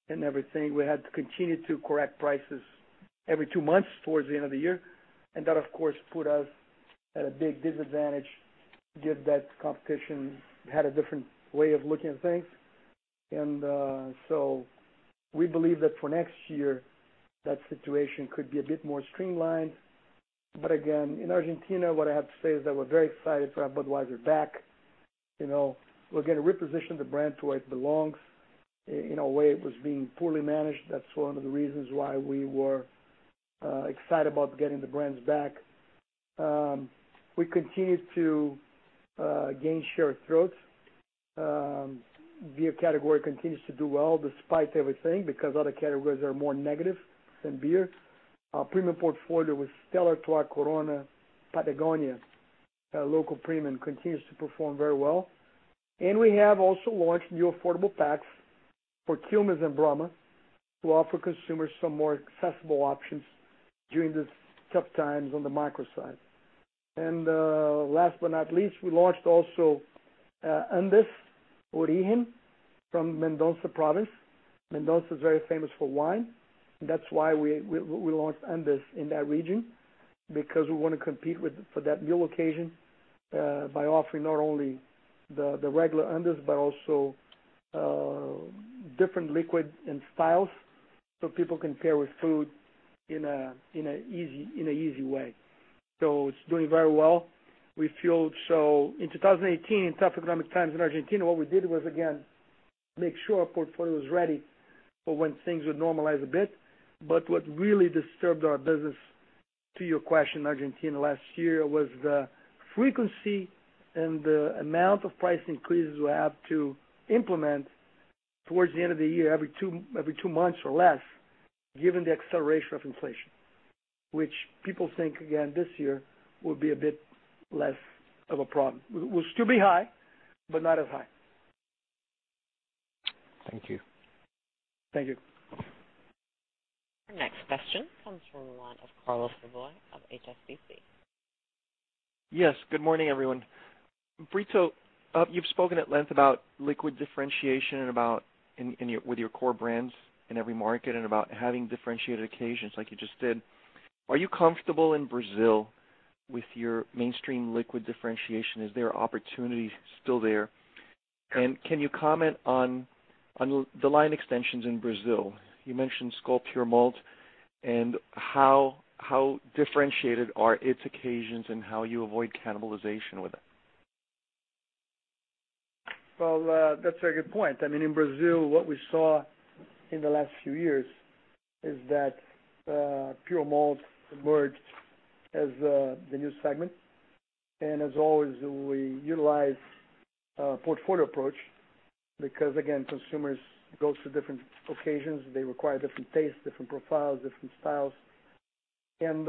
and everything, we had to continue to correct prices every two months towards the end of the year. That, of course, put us at a big disadvantage, given that competition had a different way of looking at things. We believe that for next year, that situation could be a bit more streamlined. Again, in Argentina, what I have to say is that we're very excited to have Budweiser back. We're going to reposition the brand to where it belongs. In a way it was being poorly managed. That's one of the reasons why we were excited about getting the brands back. We continue to gain share of throat. Beer category continues to do well despite everything, because other categories are more negative than beer. Our premium portfolio with Stella Artois, Corona, Patagonia, our local premium continues to perform very well. We have also launched new affordable packs for Quilmes and Brahma to offer consumers some more accessible options during these tough times on the macro side. Last but not least, we launched also Andes Origen from Mendoza province. Mendoza is very famous for wine. That's why we launched Andes in that region, because we want to compete for that meal occasion, by offering not only the regular Andes, but also different liquid and styles, so people can pair with food in an easy way. It's doing very well. In 2018, in tough economic times in Argentina, what we did was, again, make sure our portfolio was ready for when things would normalize a bit. What really disturbed our business, to your question, Argentina last year, was the frequency and the amount of price increases we had to implement towards the end of the year, every two months or less, given the acceleration of inflation, which people think again this year will be a bit less of a problem. Will still be high, but not as high. Thank you. Thank you. Our next question comes from the line of Carlos Laboy of HSBC. Yes. Good morning, everyone. Brito, you've spoken at length about liquid differentiation with your core brands in every market and about having differentiated occasions like you just did. Are you comfortable in Brazil with your mainstream liquid differentiation? Is there opportunity still there? Can you comment on the line extensions in Brazil? You mentioned Skol Puro Malte, how differentiated are its occasions and how you avoid cannibalization with it? Well, that's a very good point. In Brazil, what we saw in the last few years is that, Pure Malt emerged as the new segment. As always, we utilize a portfolio approach because, again, consumers go through different occasions. They require different tastes, different profiles, different styles. In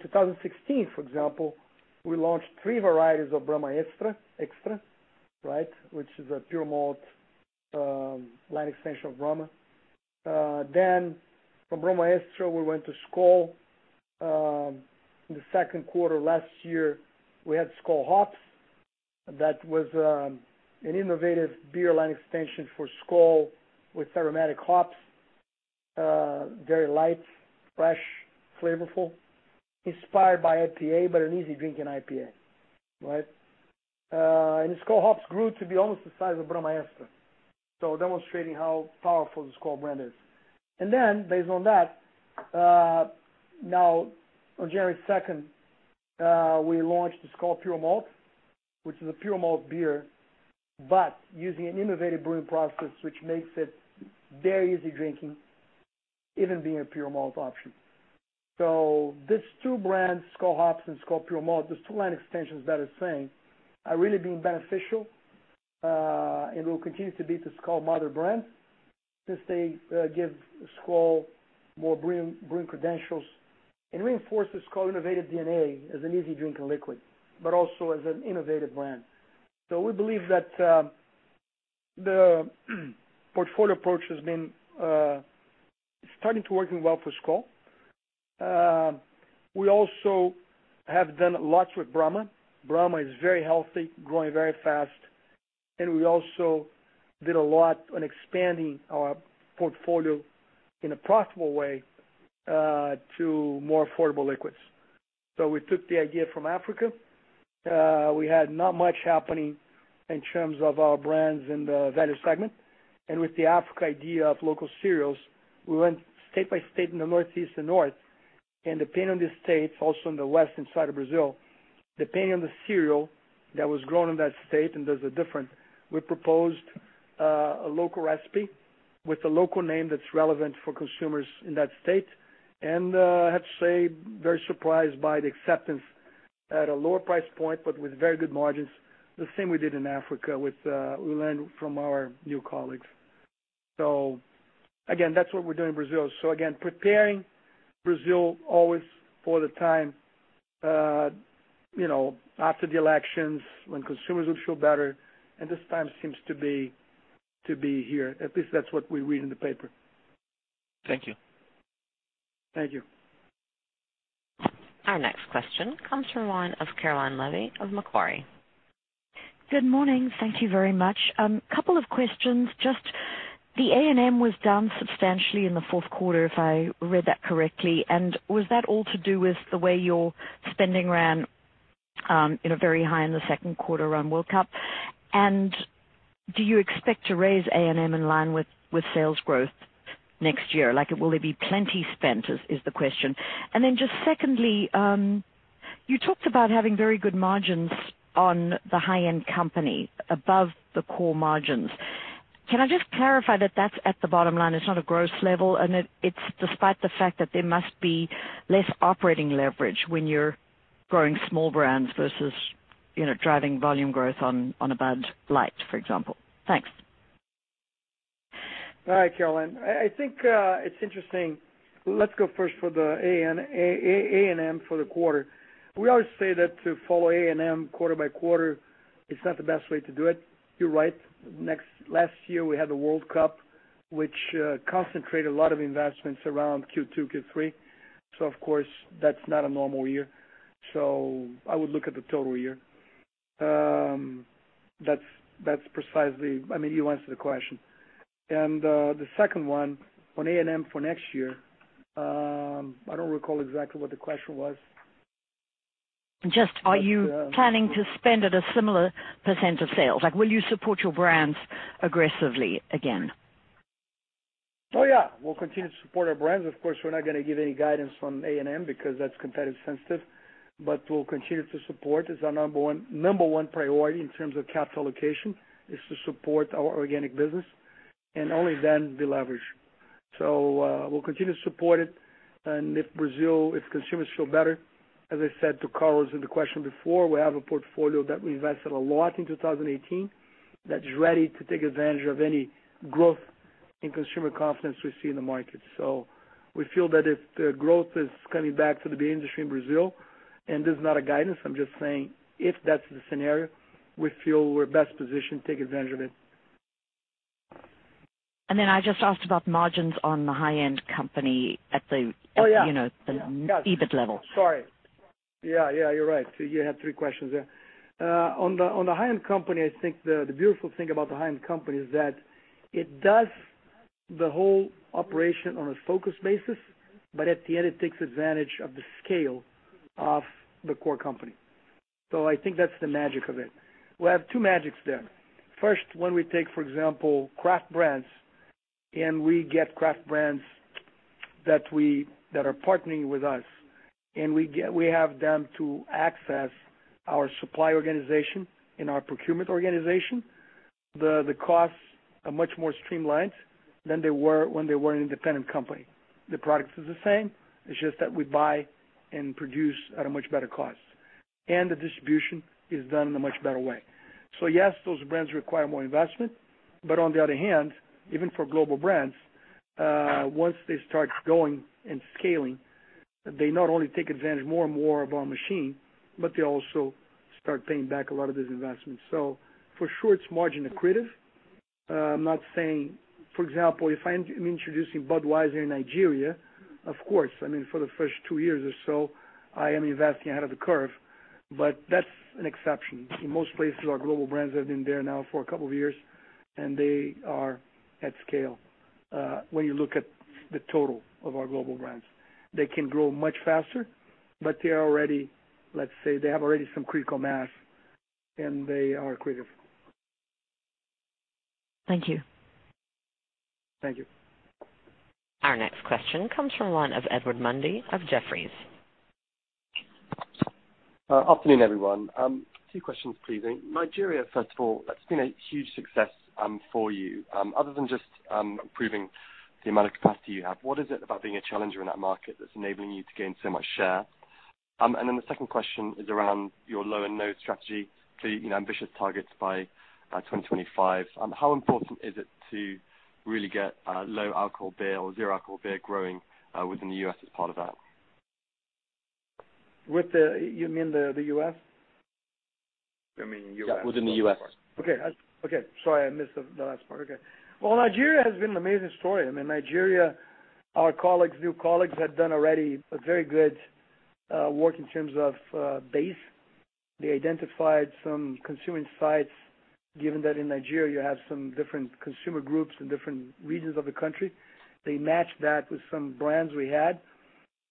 2016, for example, we launched three varieties of Brahma Extra, right, which is a Pure Malt line extension of Brahma. From Brahma Extra, we went to Skol. In the second quarter last year, we had Skol Hops. That was an innovative beer line extension for Skol with aromatic hops, very light, fresh, flavorful, inspired by IPA, but an easy-drinking IPA. Right? Skol Hops grew to be almost the size of Brahma Extra. Demonstrating how powerful the Skol brand is. Based on that, now on January 2nd, we launched the Skol Puro Malte, which is a Pure Malt beer, but using an innovative brewing process, which makes it very easy drinking, even being a Pure Malt option. These two brands, Skol Hops and Skol Puro Malte, these two line extensions that are saying are really being beneficial, and will continue to be the Skol mother brand since they give Skol more brewing credentials and reinforce the Skol innovative DNA as an easy-drinking liquid, but also as an innovative brand. We believe that the portfolio approach is starting to working well for Skol. We also have done lots with Brahma. Brahma is very healthy, growing very fast, we also did a lot on expanding our portfolio in a profitable way to more affordable liquids. We took the idea from Africa. We had not much happening in terms of our brands in the value segment. With the Africa idea of local cereals, we went state by state in the northeast and north, and depending on the states, also on the west side of Brazil, depending on the cereal that was grown in that state, and those are different, we proposed a local recipe with a local name that's relevant for consumers in that state. I have to say, very surprised by the acceptance at a lower price point, but with very good margins. The same we did in Africa with what we learned from our new colleagues. Again, that's what we're doing in Brazil. Again, preparing Brazil always for the time after the elections, when consumers would feel better, and this time seems to be here. At least that's what we read in the paper. Thank you. Thank you. Our next question comes from the line of Caroline Levy of Macquarie. Good morning. Thank you very much. Couple of questions. Just the A&M was down substantially in the fourth quarter, if I read that correctly. Was that all to do with the way your spending ran very high in the second quarter around World Cup? Do you expect to raise A&M in line with sales growth next year? Will there be plenty spent, is the question. Just secondly, you talked about having very good margins on The High End Company above the core margins. Can I just clarify that that's at the bottom line, it's not a gross level, and it's despite the fact that there must be less operating leverage when you're growing small brands versus driving volume growth on a Bud Light, for example? Thanks. All right, Caroline. I think it's interesting. Let's go first for the A&M for the quarter. We always say that to follow A&M quarter by quarter is not the best way to do it. You're right. Last year, we had the World Cup, which concentrated a lot of investments around Q2, Q3. Of course, that's not a normal year. I would look at the total year. That's precisely You answered the question. The second one, on A&M for next year, I don't recall exactly what the question was. Just are you planning to spend at a similar % of sales? Will you support your brands aggressively again? Yeah. We'll continue to support our brands. Of course, we're not going to give any guidance from A&M because that's competitive sensitive. We'll continue to support. It's our number one priority in terms of capital allocation, is to support our organic business, and only then deleverage. We'll continue to support it, and if Brazil, if consumers feel better, as I said to Carlos in the question before, we have a portfolio that we invested a lot in 2018 that's ready to take advantage of any growth in consumer confidence we see in the market. We feel that if the growth is coming back to the beer industry in Brazil, and this is not a guidance, I'm just saying, if that's the scenario, we feel we're best positioned to take advantage of it. Then I just asked about margins on The High End Company at the- Oh, yeah EBIT level. Sorry. Yeah, you're right. You had three questions there. On The High End Company, I think the beautiful thing about The High End Company is that it does the whole operation on a focused basis, but at the end it takes advantage of the scale of the core company. I think that's the magic of it. We have two magics there. First, when we take, for example, craft brands, and we get craft brands that are partnering with us, and we have them to access our supply organization and our procurement organization, the costs are much more streamlined than they were when they were an independent company. The product is the same. It's just that we buy and produce at a much better cost. The distribution is done in a much better way. Yes, those brands require more investment, on the other hand, even for global brands, once they start going and scaling, they not only take advantage more and more of our machine, but they also start paying back a lot of these investments. For sure, it's margin accretive. I'm not saying, for example, if I am introducing Budweiser in Nigeria, of course, I mean, for the first two years or so, I am investing ahead of the curve, but that's an exception. In most places, our global brands have been there now for a couple of years, and they are at scale, when you look at the total of our global brands. They can grow much faster, but they are already, let's say, they have already some critical mass, and they are accretive. Thank you. Thank you. Our next question comes from one of Edward Mundy of Jefferies. Afternoon, everyone. Two questions, please. Nigeria, first of all, that's been a huge success for you. Other than just improving the amount of capacity you have, what is it about being a challenger in that market that's enabling you to gain so much share? The second question is around your low and no strategy. Ambitious targets by 2025. How important is it to really get low-alcohol beer or zero-alcohol beer growing within the U.S. as part of that? You mean the U.S.? I mean U.S. Yeah. Within the U.S. Okay. Sorry, I missed the last part. Okay. Nigeria has been an amazing story. I mean, Nigeria, our new colleagues had done already a very good work in terms of base. They identified some consumer insights, given that in Nigeria, you have some different consumer groups in different regions of the country. They matched that with some brands we had.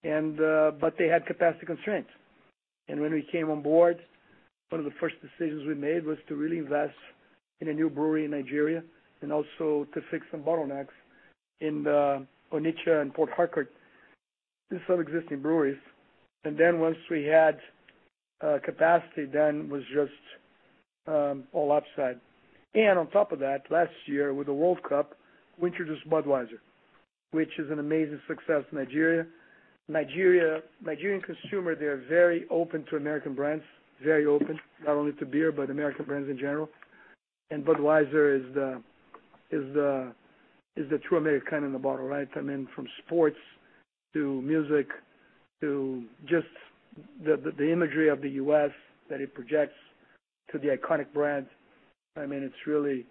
They had capacity constraints. When we came on board, one of the first decisions we made was to really invest in a new brewery in Nigeria and also to fix some bottlenecks in Onitsha and Port Harcourt in some existing breweries. Once we had capacity was just all upside. On top of that, last year with the World Cup, we introduced Budweiser, which is an amazing success in Nigeria. Nigerian consumer, they're very open to American brands, very open, not only to beer, but American brands in general. Budweiser is the true American in the bottle, right? I mean, from sports to music to just the imagery of the U.S. that it projects to the iconic brand. I mean, it's really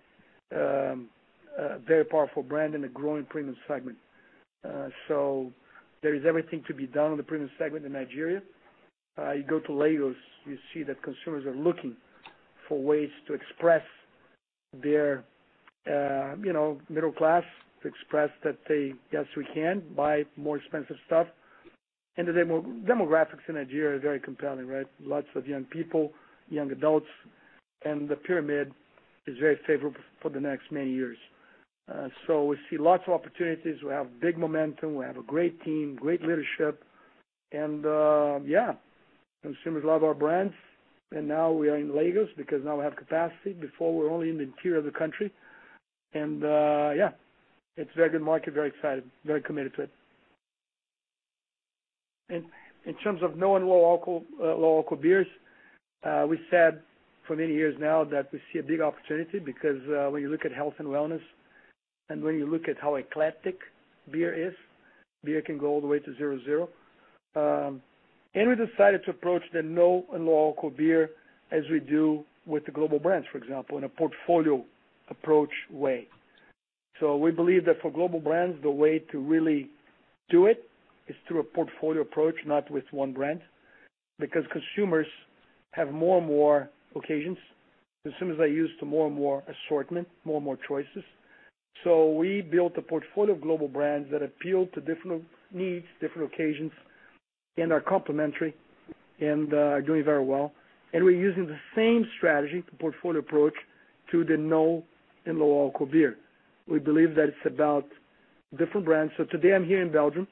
a very powerful brand in a growing premium segment. There is everything to be done in the premium segment in Nigeria. You go to Lagos, you see that consumers are looking for ways to express their middle class, to express that they, yes, we can, buy more expensive stuff. The demographics in Nigeria are very compelling, right? Lots of young people, young adults, and the pyramid is very favorable for the next many years. We see lots of opportunities. We have big momentum. We have a great team, great leadership. And, yeah. Consumers love our brands. Now we are in Lagos because now we have capacity. Before we were only in the interior of the country. Yeah. It's a very good market, very excited, very committed to it. In terms of no and low-alcohol beers, we said for many years now that we see a big opportunity because when you look at health and wellness, and when you look at how eclectic beer is, beer can go all the way to zero. We decided to approach the no and low-alcohol beer as we do with the global brands, for example, in a portfolio approach way. We believe that for global brands, the way to really do it is through a portfolio approach, not with one brand, because consumers have more and more occasions as soon as they're used to more and more assortment, more and more choices. We built a portfolio of global brands that appeal to different needs, different occasions, and are complementary and are doing very well. We're using the same strategy, the portfolio approach, to the no and low-alcohol beer. We believe that it's about different brands. Today, I'm here in Belgium,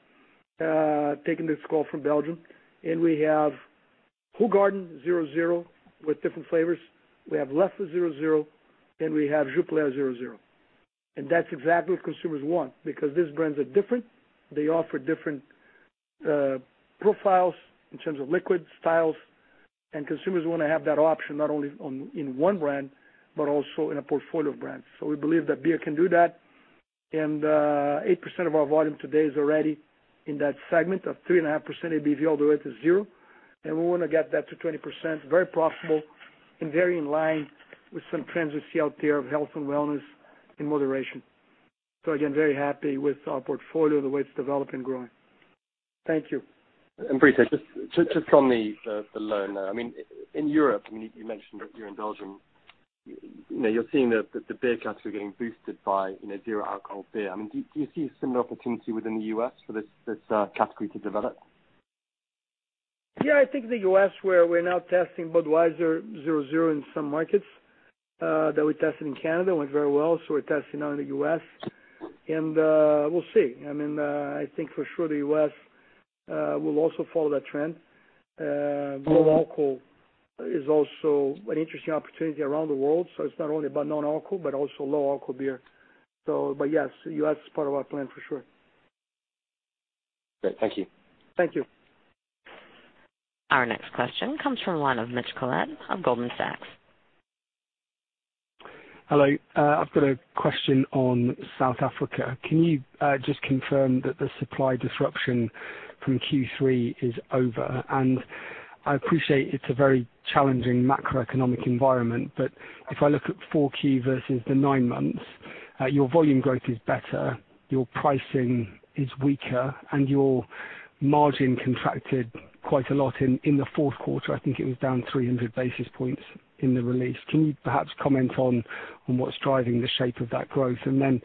taking this call from Belgium, and we have Hoegaarden zero with different flavors. We have Leffe zero, and we have Jupiler zero. That's exactly what consumers want because these brands are different. They offer different profiles in terms of liquid styles. Consumers want to have that option not only in one brand, but also in a portfolio of brands. We believe that beer can do that, and 8% of our volume today is already in that segment of 3.5% ABV all the way to zero. We want to get that to 20%, very profitable and very in line with some trends we see out there of health and wellness and moderation. Again, very happy with our portfolio, the way it's developing and growing. Thank you. Brito, just on the learn now, in Europe, you mentioned that you're in Belgium. You're seeing the beer category getting boosted by zero-alcohol beer. Do you see a similar opportunity within the U.S. for this category to develop? I think the U.S., where we're now testing Budweiser Zero, in some markets that we tested in Canada, went very well. We're testing now in the U.S., and we'll see. I think for sure the U.S. will also follow that trend. Low-alcohol is also an interesting opportunity around the world. It's not only about non-alcohol, but also low-alcohol beer. Yes, U.S. is part of our plan for sure. Great. Thank you. Thank you. Our next question comes from the line of Mitch Collett of Goldman Sachs. Hello. I've got a question on South Africa. Can you just confirm that the supply disruption from Q3 is over? I appreciate it's a very challenging macroeconomic environment, but if I look at 4Q versus the nine months, your volume growth is better, your pricing is weaker, and your margin contracted quite a lot in the fourth quarter. I think it was down 300 basis points in the release. Can you perhaps comment on what's driving the shape of that growth? Then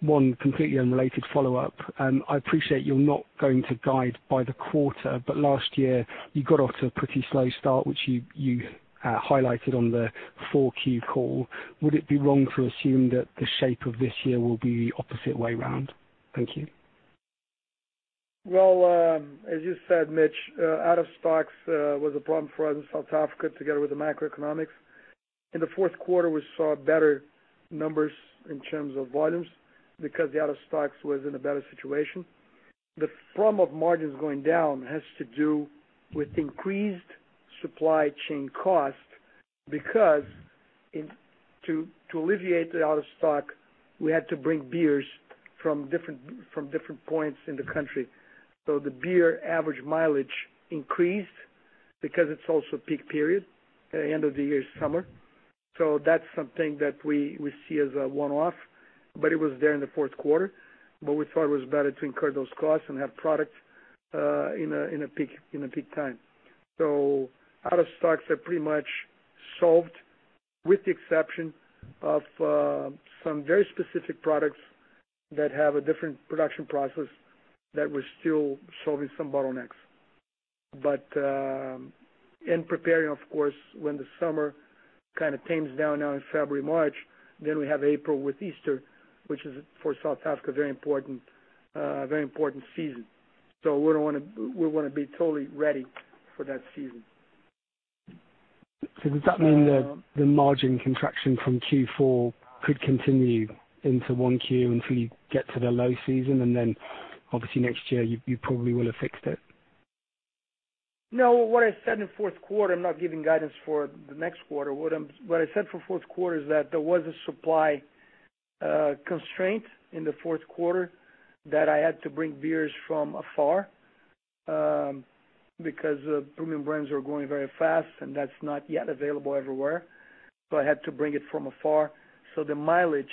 one completely unrelated follow-up. I appreciate you're not going to guide by the quarter, but last year, you got off to a pretty slow start, which you highlighted on the 4Q call. Would it be wrong to assume that the shape of this year will be the opposite way around? Thank you. Well, as you said, Mitch, out of stocks was a problem for us in South Africa together with the macroeconomics. In the fourth quarter, we saw better numbers in terms of volumes because the out of stocks was in a better situation. The problem of margins going down has to do with increased supply chain costs because to alleviate the out of stock, we had to bring beers from different points in the country. The beer average mileage increased because it's also peak period at end of the year summer. That's something that we see as a one-off, but it was there in the fourth quarter. We thought it was better to incur those costs and have products in a peak time. Out of stocks are pretty much solved with the exception of some very specific products that have a different production process that we're still solving some bottlenecks. In preparing, of course, when the summer kind of tames down now in February, March, then we have April with Easter, which is for South Africa, a very important season. We want to be totally ready for that season. Does that mean that the margin contraction from Q4 could continue into 1Q until you get to the low season, and then obviously next year, you probably will have fixed it? No, what I said in the fourth quarter, I'm not giving guidance for the next quarter. What I said for fourth quarter is that there was a supply constraint in the fourth quarter that I had to bring beers from afar because premium brands were growing very fast, and that's not yet available everywhere. I had to bring it from afar. The mileage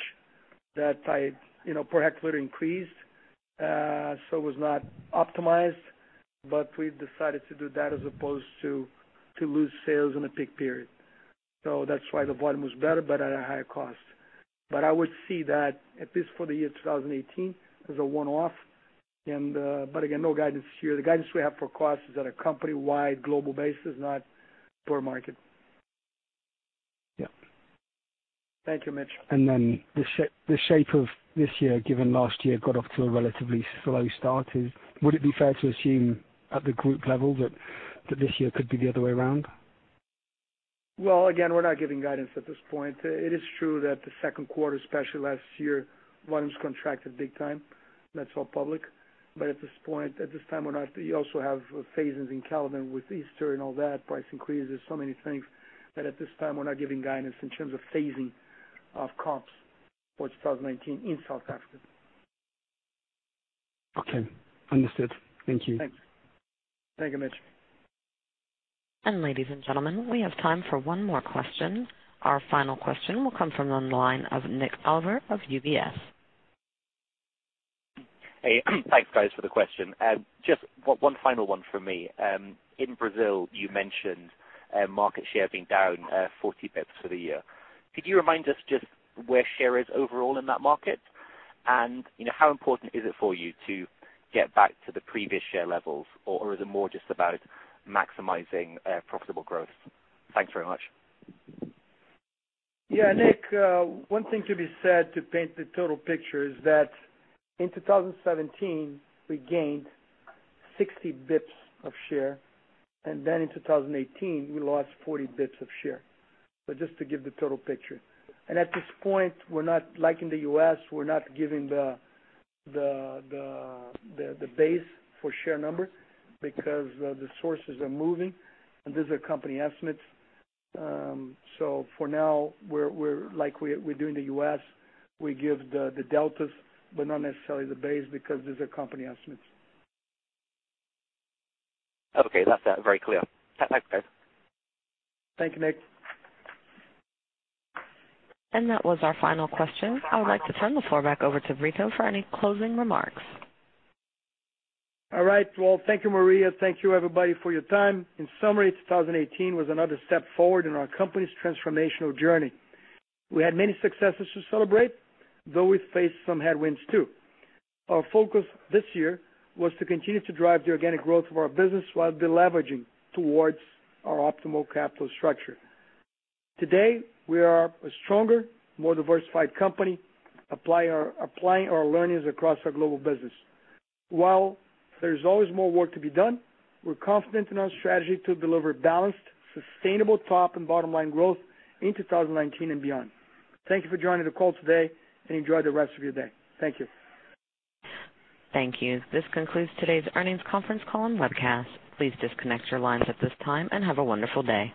per hectoliter increased, so it was not optimized, but we decided to do that as opposed to lose sales in a peak period. That's why the volume was better, but at a higher cost. I would see that, at least for the year 2018, as a one-off. Again, no guidance here. The guidance we have for costs is at a company-wide global basis, not per market. Yeah. Thank you, Mitch. The shape of this year, given last year got off to a relatively slow start, would it be fair to assume at the group level that this year could be the other way around? Again, we're not giving guidance at this point. It is true that the second quarter, especially last year, volumes contracted big time, and that's all public. At this point, at this time, you also have phasings in calendar with Easter and all that, price increases, so many things, that at this time, we're not giving guidance in terms of phasing of comps for 2019 in South Africa. Okay. Understood. Thank you. Thanks. Thank you, Mitch. ladies and gentlemen, we have time for one more question. Our final question will come from the line of Nik Oliver of UBS. Hey, thanks, guys, for the question. Just one final one from me. In Brazil, you mentioned market share being down 40 basis points for the year. Could you remind us just where share is overall in that market? How important is it for you to get back to the previous share levels, or is it more just about maximizing profitable growth? Thanks very much. Yeah, Nik, one thing to be said to paint the total picture is that in 2017, we gained 60 basis points of share. In 2018, we lost 40 basis points of share. Just to give the total picture. At this point, like in the U.S., we're not giving the base for share numbers because the sources are moving, and these are company estimates. For now, like we do in the U.S., we give the deltas, but not necessarily the base, because these are company estimates. Okay, that's very clear. Thanks, guys. Thank you, Nik. That was our final question. I would like to turn the floor back over to Brito for any closing remarks. All right, well, thank you, Maria. Thank you, everybody, for your time. In summary, 2018 was another step forward in our company's transformational journey. We had many successes to celebrate, though we faced some headwinds too. Our focus this year was to continue to drive the organic growth of our business while de-leveraging towards our optimal capital structure. Today, we are a stronger, more diversified company, applying our learnings across our global business. While there's always more work to be done, we're confident in our strategy to deliver balanced, sustainable top and bottom line growth in 2019 and beyond. Thank you for joining the call today, and enjoy the rest of your day. Thank you. Thank you. This concludes today's earnings conference call and webcast. Please disconnect your lines at this time and have a wonderful day.